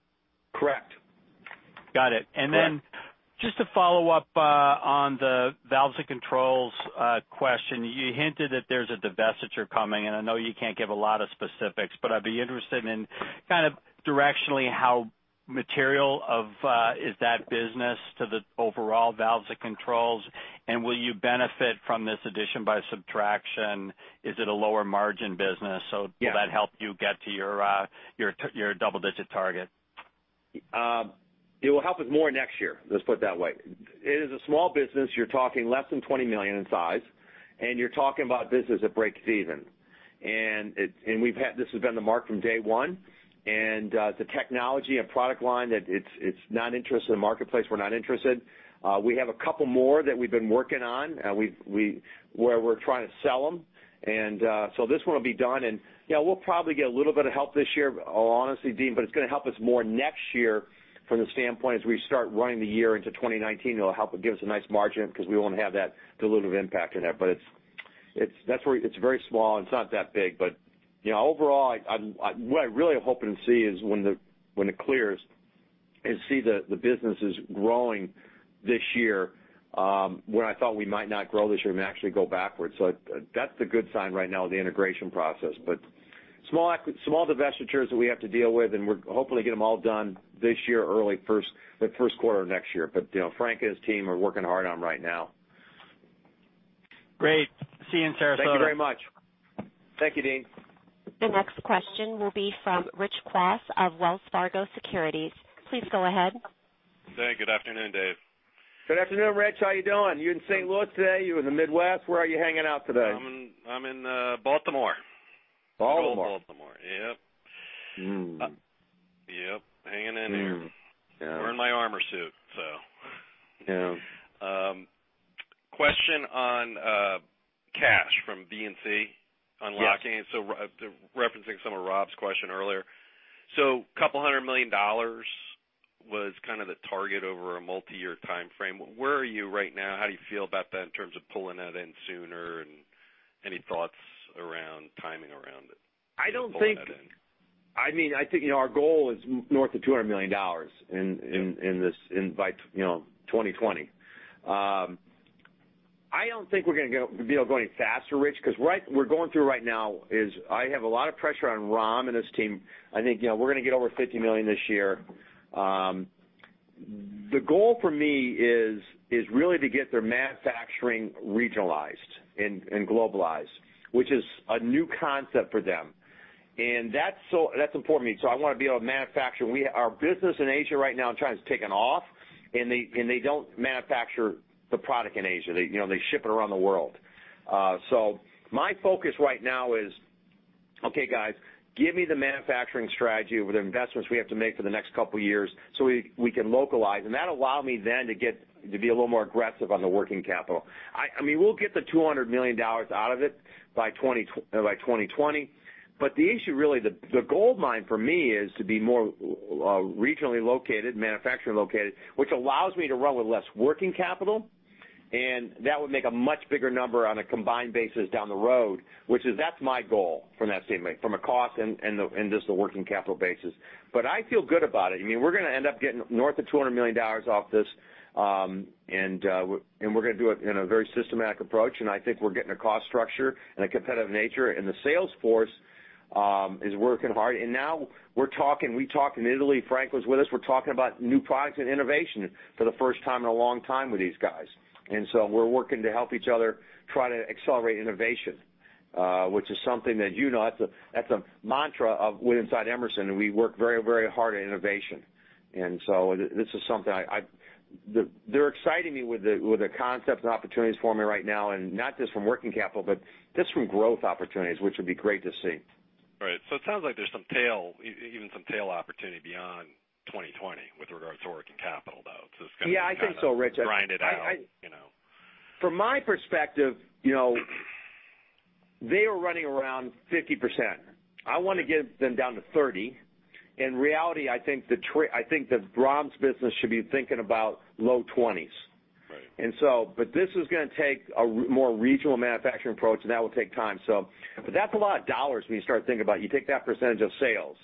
Correct. Got it. Correct. Just to follow up on the Valves & Controls question, you hinted that there's a divestiture coming, and I know you can't give a lot of specifics, but I'd be interested in kind of directionally how material is that business to the overall Valves & Controls, and will you benefit from this addition by subtraction? Is it a lower margin business? Yeah. Will that help you get to your double-digit target? It will help with more next year, let's put it that way. It is a small business. You're talking less than $20 million in size. You're talking about this as a break even. This has been the mark from day one, and the technology and product line, if it's not interest in the marketplace, we're not interested. We have a couple more that we've been working on, where we're trying to sell them. This one will be done, and we'll probably get a little bit of help this year, honestly, Deane, it's going to help us more next year from the standpoint, as we start running the year into 2019, it'll help give us a nice margin because we won't have that dilutive impact in there. It's very small and it's not that big. Overall, what I really am hoping to see is when it clears, is see the business is growing this year, when I thought we might not grow this year, we might actually go backwards. That's a good sign right now with the integration process. Small divestitures that we have to deal with, we're hopefully get them all done this year, early first quarter of next year. Frank and his team are working hard on right now. Great. See you in Sarasota. Thank you very much. Thank you, Deane. The next question will be from Ohsung Kwon of Wells Fargo Securities. Please go ahead. Hey, good afternoon, Dave. Good afternoon, Rich. How you doing? You in St. Louis today? You in the Midwest? Where are you hanging out today? I'm in Baltimore. Baltimore. Good old Baltimore. Yep. Hm. Yep. Hanging in there. Yeah. Wearin' my armor suit, so. Yeah. Question on cash from V&C. Yes unlocking it. Referencing some of Rob's question earlier. Couple hundred million dollars was kind of the target over a multi-year timeframe. Where are you right now? How do you feel about that in terms of pulling that in sooner? Any thoughts around timing around it? I think our goal is north of $200 million. Yeah in by 2020. I don't think we're going to be able to go any faster, Rich, because what we're going through right now is, I have a lot of pressure on Ram and his team. I think we're going to get over $50 million this year. The goal for me is really to get their manufacturing regionalized and globalized, which is a new concept for them. That's important to me. I want to be able to manufacture. Our business in Asia right now, I'm trying, it's taken off, and they don't manufacture the product in Asia. They ship it around the world. My focus right now is, okay, guys, give me the manufacturing strategy with the investments we have to make for the next couple of years so we can localize. That'll allow me then to be a little more aggressive on the working capital. We'll get the $200 million out of it by 2020. The issue really, the goldmine for me is to be more regionally located, manufacturing located, which allows me to run with less working capital, and that would make a much bigger number on a combined basis down the road, which is, that's my goal from that standpoint, from a cost and just a working capital basis. I feel good about it. We're going to end up getting north of $200 million off this, and we're going to do it in a very systematic approach, and I think we're getting a cost structure and a competitive nature, and the sales force is working hard. Now we're talking, we talked in Italy, Frank was with us. We're talking about new products and innovation for the first time in a long time with these guys. We're working to help each other try to accelerate innovation, which is something that you know, that's a mantra inside Emerson, and we work very, very hard at innovation. This is something They're exciting me with the concepts and opportunities for me right now, and not just from working capital, but just from growth opportunities, which would be great to see. Right. It sounds like there's even some tail opportunity beyond 2020 with regards to working capital, though. Yeah, I think so, Rich. grind it out. From my perspective, they are running around 50%. I want to get them down to 30%. In reality, I think that Ram's business should be thinking about low 20s. Right. This is going to take a more regional manufacturing approach, and that will take time, so. That's a lot of dollars when you start thinking about, you take that percentage of sales.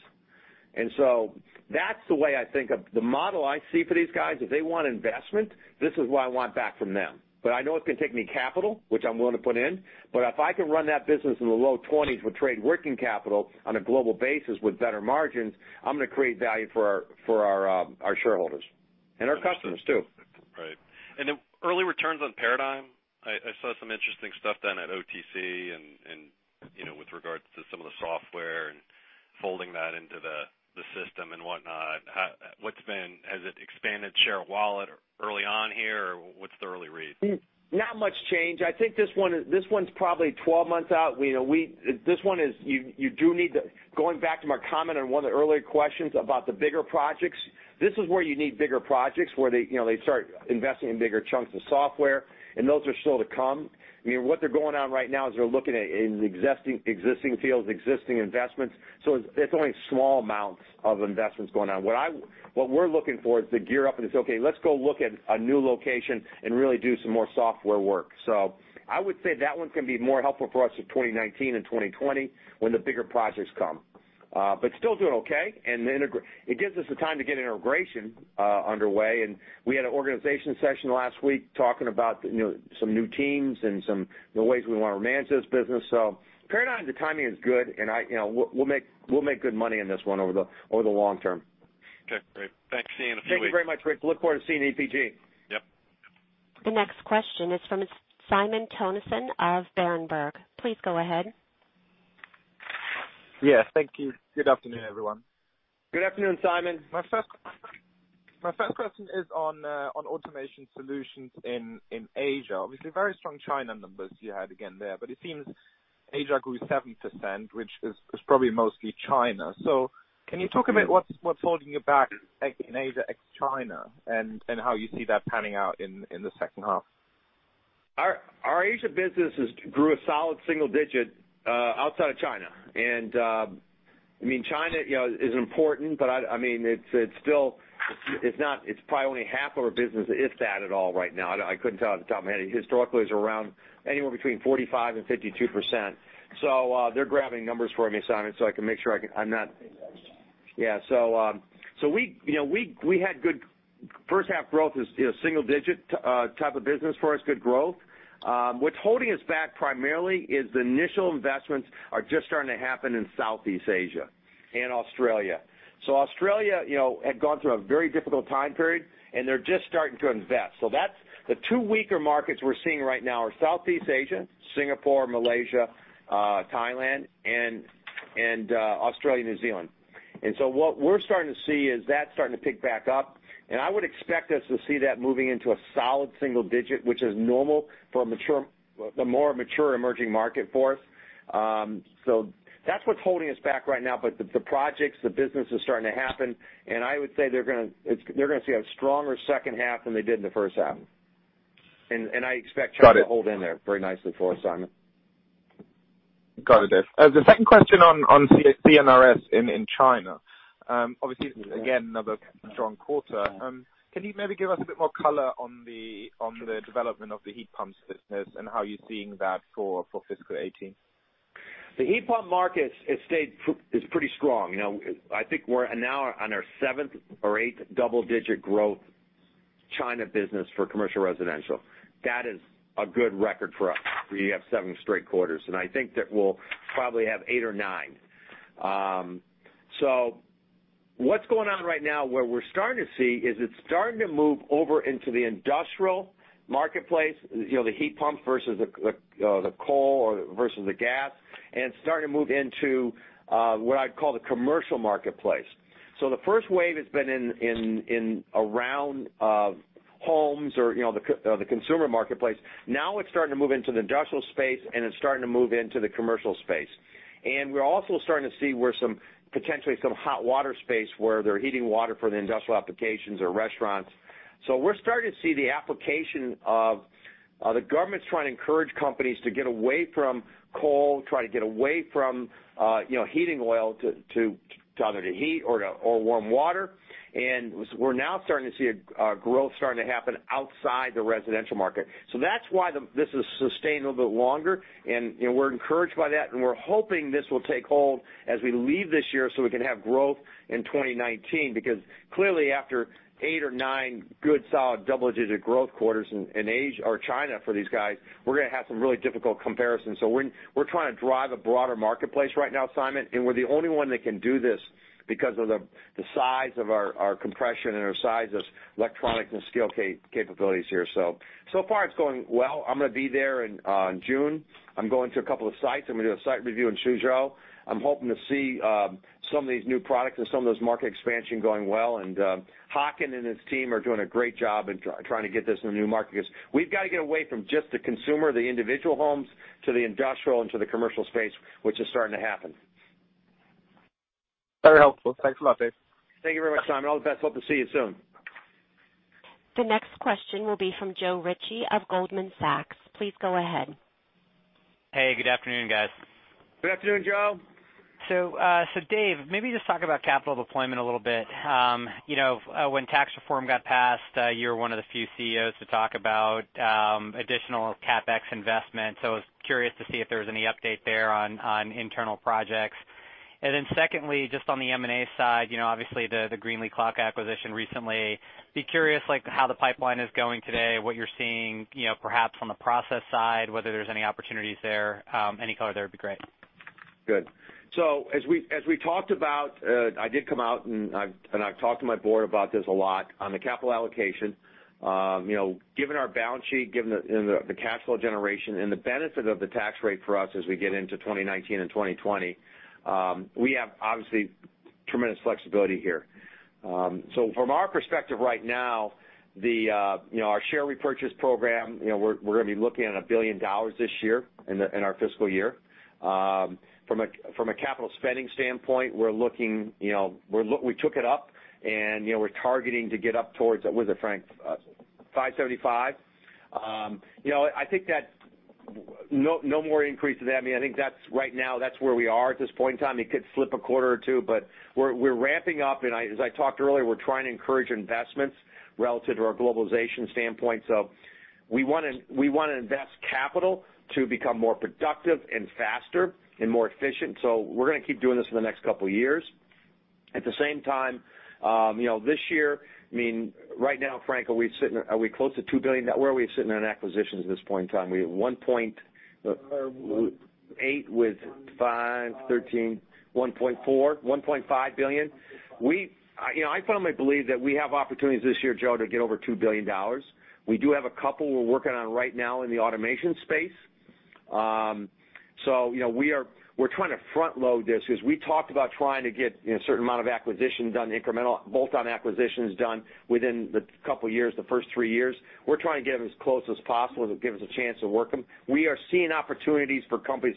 That's the way I think of the model I see for these guys, if they want investment, this is what I want back from them. I know it's going to take me capital, which I'm willing to put in. If I can run that business in the low 20s with trade working capital on a global basis with better margins, I'm going to create value for our shareholders, and our customers, too. Right. Early returns on Paradigm, I saw some interesting stuff done at OTC and with regards to some of the software and folding that into the system and whatnot. Has it expanded share of wallet early on here? What's the early read? Not much change. I think this one's probably 12 months out. Going back to my comment on one of the earlier questions about the bigger projects, this is where you need bigger projects, where they start investing in bigger chunks of software. Those are still to come. What they're going on right now is they're looking in existing fields, existing investments. It's only small amounts of investments going on. What we're looking for is to gear up and say, "Okay, let's go look at a new location and really do some more software work." I would say that one's going to be more helpful for us in 2019 and 2020 when the bigger projects come. Still doing okay. It gives us the time to get integration underway, and we had an organization session last week talking about some new teams and some ways we want to manage this business. Paradigm, the timing is good, and we'll make good money on this one over the long term. Okay, great. Thanks, see you in a few weeks. Thank you very much, Rich. Look forward to seeing you at EPG. Yep. The next question is from Simon Toennessen of Berenberg. Please go ahead. Yes. Thank you. Good afternoon, everyone. Good afternoon, Simon. My first question is on Automation Solutions in Asia. Obviously, very strong China numbers you had again there, but it seems Asia grew 7%, which is probably mostly China. Can you talk about what's holding you back in Asia, ex-China, and how you see that panning out in the second half? Our Asia business grew a solid single digit, outside of China. China is important, but it's probably only half of our business, if that at all right now. I couldn't tell you off the top of my head. Historically, it's around anywhere between 45% and 52%. They're grabbing numbers for me, Simon, so I can make sure I'm not Yeah. First half growth is single digit type of business for us. Good growth. What's holding us back primarily is the initial investments are just starting to happen in Southeast Asia and Australia. Australia had gone through a very difficult time period, and they're just starting to invest. The two weaker markets we're seeing right now are Southeast Asia, Singapore, Malaysia, Thailand, and Australia, New Zealand. What we're starting to see is that starting to pick back up, and I would expect us to see that moving into a solid single digit, which is normal for the more mature emerging market for us. That's what's holding us back right now. The projects, the business is starting to happen, and I would say they're going to see a stronger second half than they did in the first half. I expect China- Got it to hold in there very nicely for us, Simon. Got it, Dave. The second question on C&RS in China. Obviously, again, another strong quarter. Can you maybe give us a bit more color on the development of the heat pumps business and how you're seeing that for fiscal 2018? The heat pump market is pretty strong. I think we're now on our seventh or eighth double-digit growth China business for commercial residential. That is a good record for us. We have seven straight quarters, and I think that we'll probably have eight or nine. What's going on right now, what we're starting to see, is it's starting to move over into the industrial marketplace, the heat pump versus the coal or versus the gas, and it's starting to move into what I'd call the commercial marketplace. The first wave has been in around homes or the consumer marketplace. Now it's starting to move into the industrial space, and it's starting to move into the commercial space. We're also starting to see potentially some hot water space where they're heating water for the industrial applications or restaurants. We're starting to see. The government's trying to encourage companies to get away from coal, try to get away from heating oil to either to heat or warm water. We're now starting to see a growth starting to happen outside the residential market. That's why this is sustainable a bit longer, and we're encouraged by that, and we're hoping this will take hold as we leave this year so we can have growth in 2019, because clearly after eight or nine good solid double-digit growth quarters in China for these guys, we're going to have some really difficult comparisons. We're trying to drive a broader marketplace right now, Simon, and we're the only one that can do this because of the size of our compression and our size of electronics and skill capabilities here. So far it's going well. I'm going to be there in June. I'm going to a couple of sites. I'm going to do a site review in Suzhou. I'm hoping to see some of these new products and some of those market expansion going well. Hakan and his team are doing a great job in trying to get this in a new market because we've got to get away from just the consumer, the individual homes, to the industrial and to the commercial space, which is starting to happen. Very helpful. Thanks a lot, Dave. Thank you very much, Simon. All the best. Hope to see you soon. The next question will be from Joe Ritchie of Goldman Sachs. Please go ahead. Hey, good afternoon, guys. Good afternoon, Joe. Dave, maybe just talk about capital deployment a little bit. When tax reform got passed, you were one of the few CEOs to talk about additional CapEx investment. I was curious to see if there was any update there on internal projects. Secondly, just on the M&A side, obviously the Greenlee Klauke acquisition recently. Be curious, how the pipeline is going today, what you're seeing perhaps on the process side, whether there's any opportunities there. Any color there would be great. Good. As we talked about, I did come out, and I've talked to my Board about this a lot on the capital allocation. Given our balance sheet, given the cash flow generation, and the benefit of the tax rate for us as we get into 2019 and 2020, we have obviously tremendous flexibility here. From our perspective right now, our share repurchase program, we're going to be looking at $1 billion this year in our fiscal year. From a capital spending standpoint, we took it up, and we're targeting to get up towards What is it, Frank? $575 million. I think that no more increases. I think right now that's where we are at this point in time. It could flip a quarter or two, but we're ramping up, and as I talked earlier, we're trying to encourage investments relative to our globalization standpoint. We want to invest capital to become more productive and faster and more efficient. We're going to keep doing this for the next couple of years. At the same time, this year, right now, Frank, are we close to $2 billion? Where are we sitting on acquisitions at this point in time? We have 1.8 with 5, 13, 1.4, $1.5 billion. I firmly believe that we have opportunities this year, Joe, to get over $2 billion. We do have a couple we're working on right now in the automation space. We're trying to front-load this because we talked about trying to get a certain amount of acquisition done incremental, bolt-on acquisitions done within the couple of years, the first three years. We're trying to get them as close as possible to give us a chance to work them. We are seeing opportunities for companies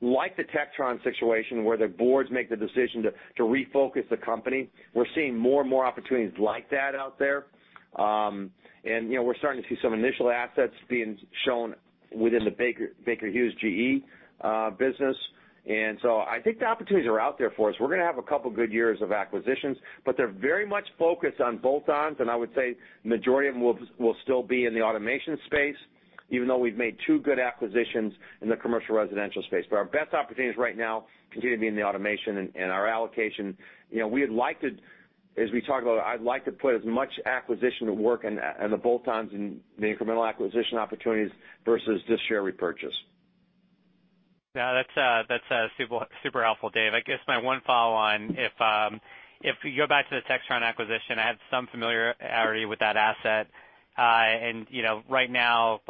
like the Textron situation, where the boards make the decision to refocus the company. We're seeing more and more opportunities like that out there. We're starting to see some initial assets being shown within the Baker Hughes GE business. I think the opportunities are out there for us. We're going to have a couple of good years of acquisitions, but they're very much focused on both, and I would say the majority of them will still be in the automation space, even though we've made two good acquisitions in the Commercial Residential space. Our best opportunities right now continue to be in the automation and our allocation. As we talk about it, I'd like to put as much acquisition to work on both and the incremental acquisition opportunities versus just share repurchase. No, that's super helpful, Dave. I guess my one follow on, if we go back to the Textron acquisition, I have some familiarity with that asset. Right now,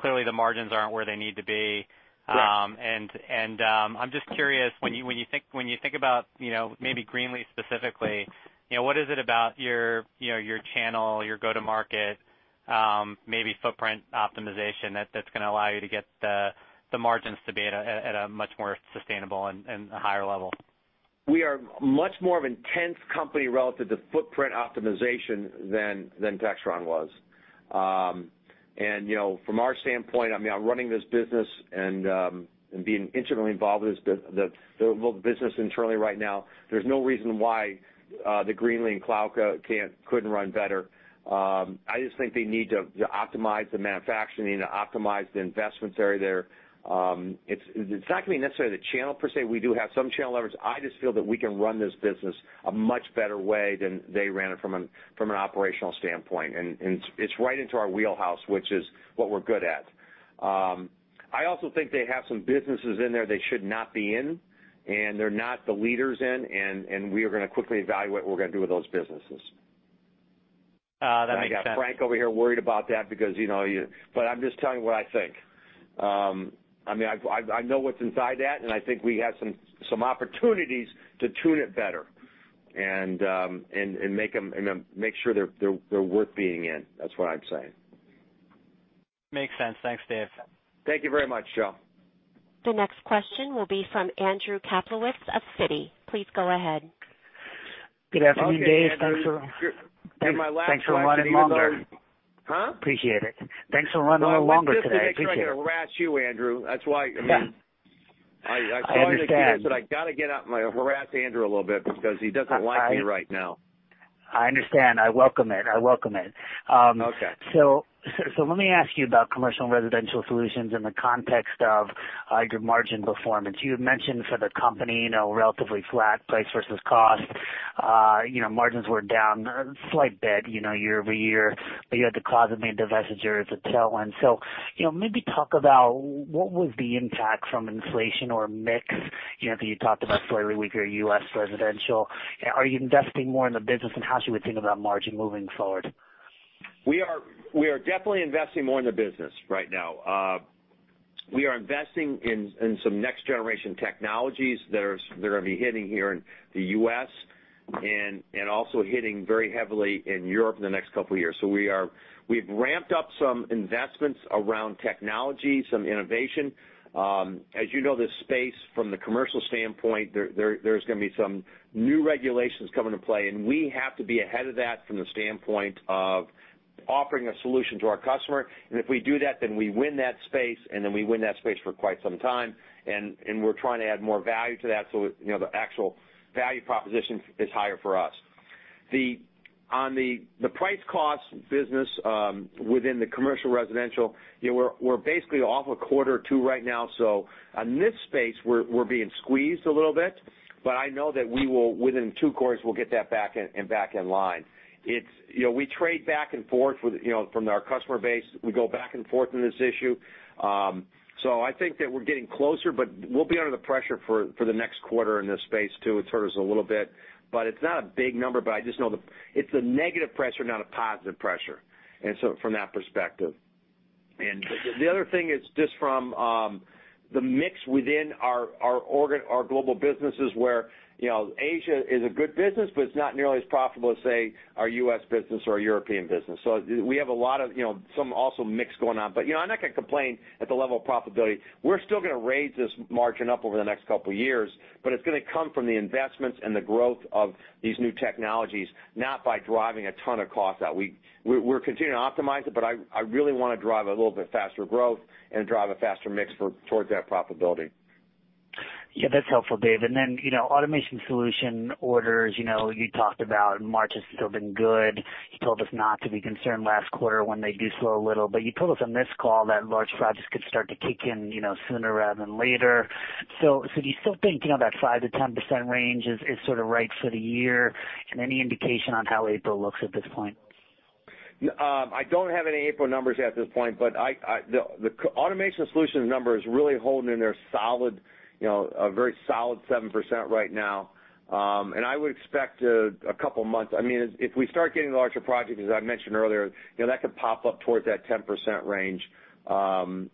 clearly the margins aren't where they need to be. Correct. I'm just curious, when you think about maybe Greenlee specifically, what is it about your channel, your go-to-market, maybe footprint optimization that's going to allow you to get the margins to be at a much more sustainable and a higher level? We are much more of an intense company relative to footprint optimization than Textron was. From our standpoint, I'm running this business and being intimately involved with the business internally right now. There's no reason why the Greenlee and Klauke couldn't run better. I just think they need to optimize the manufacturing, to optimize the investments area there. It's not going to be necessarily the channel per se. We do have some channel levers. I just feel that we can run this business a much better way than they ran it from an operational standpoint. It's right into our wheelhouse, which is what we're good at. I also think they have some businesses in there they should not be in, and they're not the leaders in, and we are going to quickly evaluate what we're going to do with those businesses. That makes sense. I got Frank over here worried about that because I'm just telling you what I think. I know what's inside that, and I think we have some opportunities to tune it better and make sure they're worth being in. That's what I'm saying. Makes sense. Thanks, Dave. Thank you very much, Joe. The next question will be from Andrew Kaplowitz of Citi. Please go ahead. Good afternoon, Dave. Okay, Andrew. Thanks for running longer. That's my last question. You guys are Huh? Appreciate it. Thanks for running a little longer today. Appreciate it. Well, I'm just making sure I get to harass you, Andrew. That's why. Yeah. I understand. I saw on the queue that I got to get out and harass Andrew a little bit because he doesn't like me right now. I understand. I welcome it. I welcome it. Okay. Let me ask you about Commercial & Residential Solutions in the context of your margin performance. You had mentioned for the company, relatively flat price versus cost. Margins were down a slight bit year-over-year, but you had the ClosetMaid divestiture as a tailwind. Maybe talk about what was the impact from inflation or mix that you talked about slightly weaker U.S. residential. Are you investing more in the business, and how should we think about margin moving forward? We are definitely investing more in the business right now. We are investing in some next-generation technologies that are going to be hitting here in the U.S. and also hitting very heavily in Europe in the next couple of years. We've ramped up some investments around technology, some innovation. As you know, this space from the commercial standpoint, there's going to be some new regulations coming into play, and we have to be ahead of that from the standpoint of offering a solution to our customer. If we do that, then we win that space, and then we win that space for quite some time, and we're trying to add more value to that so the actual value proposition is higher for us. On the price cost business within the commercial residential, we're basically off a quarter or two right now. On this space, we're being squeezed a little bit, but I know that we will, within 2 quarters, we'll get that back in line. We trade back and forth from our customer base. We go back and forth on this issue. I think that we're getting closer, but we'll be under the pressure for the next quarter in this space too. It hurt us a little bit, but it's not a big number, but I just know that it's a negative pressure, not a positive pressure. From that perspective. The other thing is just from the mix within our global businesses where Asia is a good business, but it's not nearly as profitable as, say, our U.S. business or our European business. We have some also mix going on. I'm not going to complain at the level of profitability. We're still going to raise this margin up over the next couple of years, but it's going to come from the investments and the growth of these new technologies, not by driving a ton of cost out. We're continuing to optimize it, but I really want to drive a little bit faster growth and drive a faster mix towards that profitability. That's helpful, Dave. Then, Automation Solutions orders, you talked about March has still been good. You told us not to be concerned last quarter when they do slow a little, but you told us on this call that large projects could start to kick in sooner rather than later. Do you still think that 5%-10% range is sort of right for the year? Any indication on how April looks at this point? I don't have any April numbers at this point, but the Automation Solutions number is really holding in there a very solid 7% right now. I would expect a couple of months. If we start getting larger projects, as I mentioned earlier, that could pop up towards that 10% range. Again,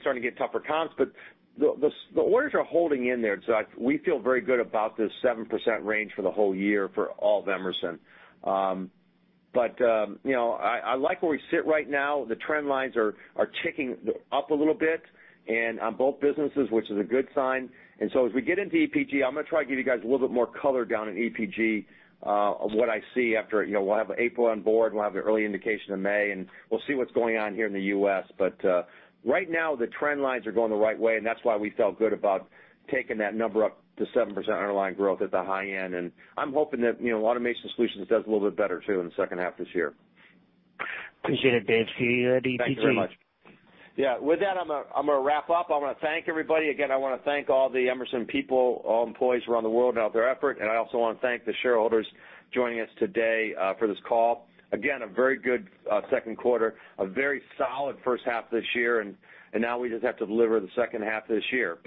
starting to get tougher comps, but the orders are holding in there. We feel very good about this 7% range for the whole year for all of Emerson. I like where we sit right now. The trend lines are ticking up a little bit and on both businesses, which is a good sign. As we get into EPG, I'm going to try to give you guys a little bit more color down in EPG on what I see after. We'll have April on board, we'll have the early indication in May, and we'll see what's going on here in the U.S. Right now, the trend lines are going the right way, and that's why we felt good about taking that number up to 7% underlying growth at the high end. I'm hoping that Automation Solutions does a little bit better, too, in the second half this year. Appreciate it, Dave. See you at EPG. Thank you very much. With that, I'm going to wrap up. I want to thank everybody. Again, I want to thank all the Emerson people, all employees around the world and all their effort. I also want to thank the shareholders joining us today for this call. Again, a very good second quarter, a very solid first half this year, now we just have to deliver the second half this year.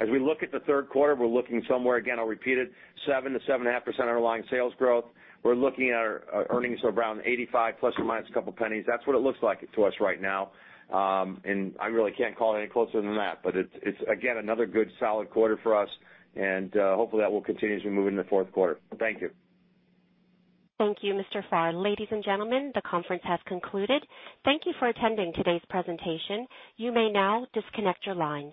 As we look at the third quarter, we're looking somewhere, again, I'll repeat it, 7%-7.5% underlying sales growth. We're looking at our earnings of around $0.85 ± a couple of cents. That's what it looks like to us right now. I really can't call it any closer than that, it's, again, another good, solid quarter for us, and hopefully, that will continue as we move into the fourth quarter. Thank you. Thank you, Mr. Farr. Ladies and gentlemen, the conference has concluded. Thank you for attending today's presentation. You may now disconnect your lines.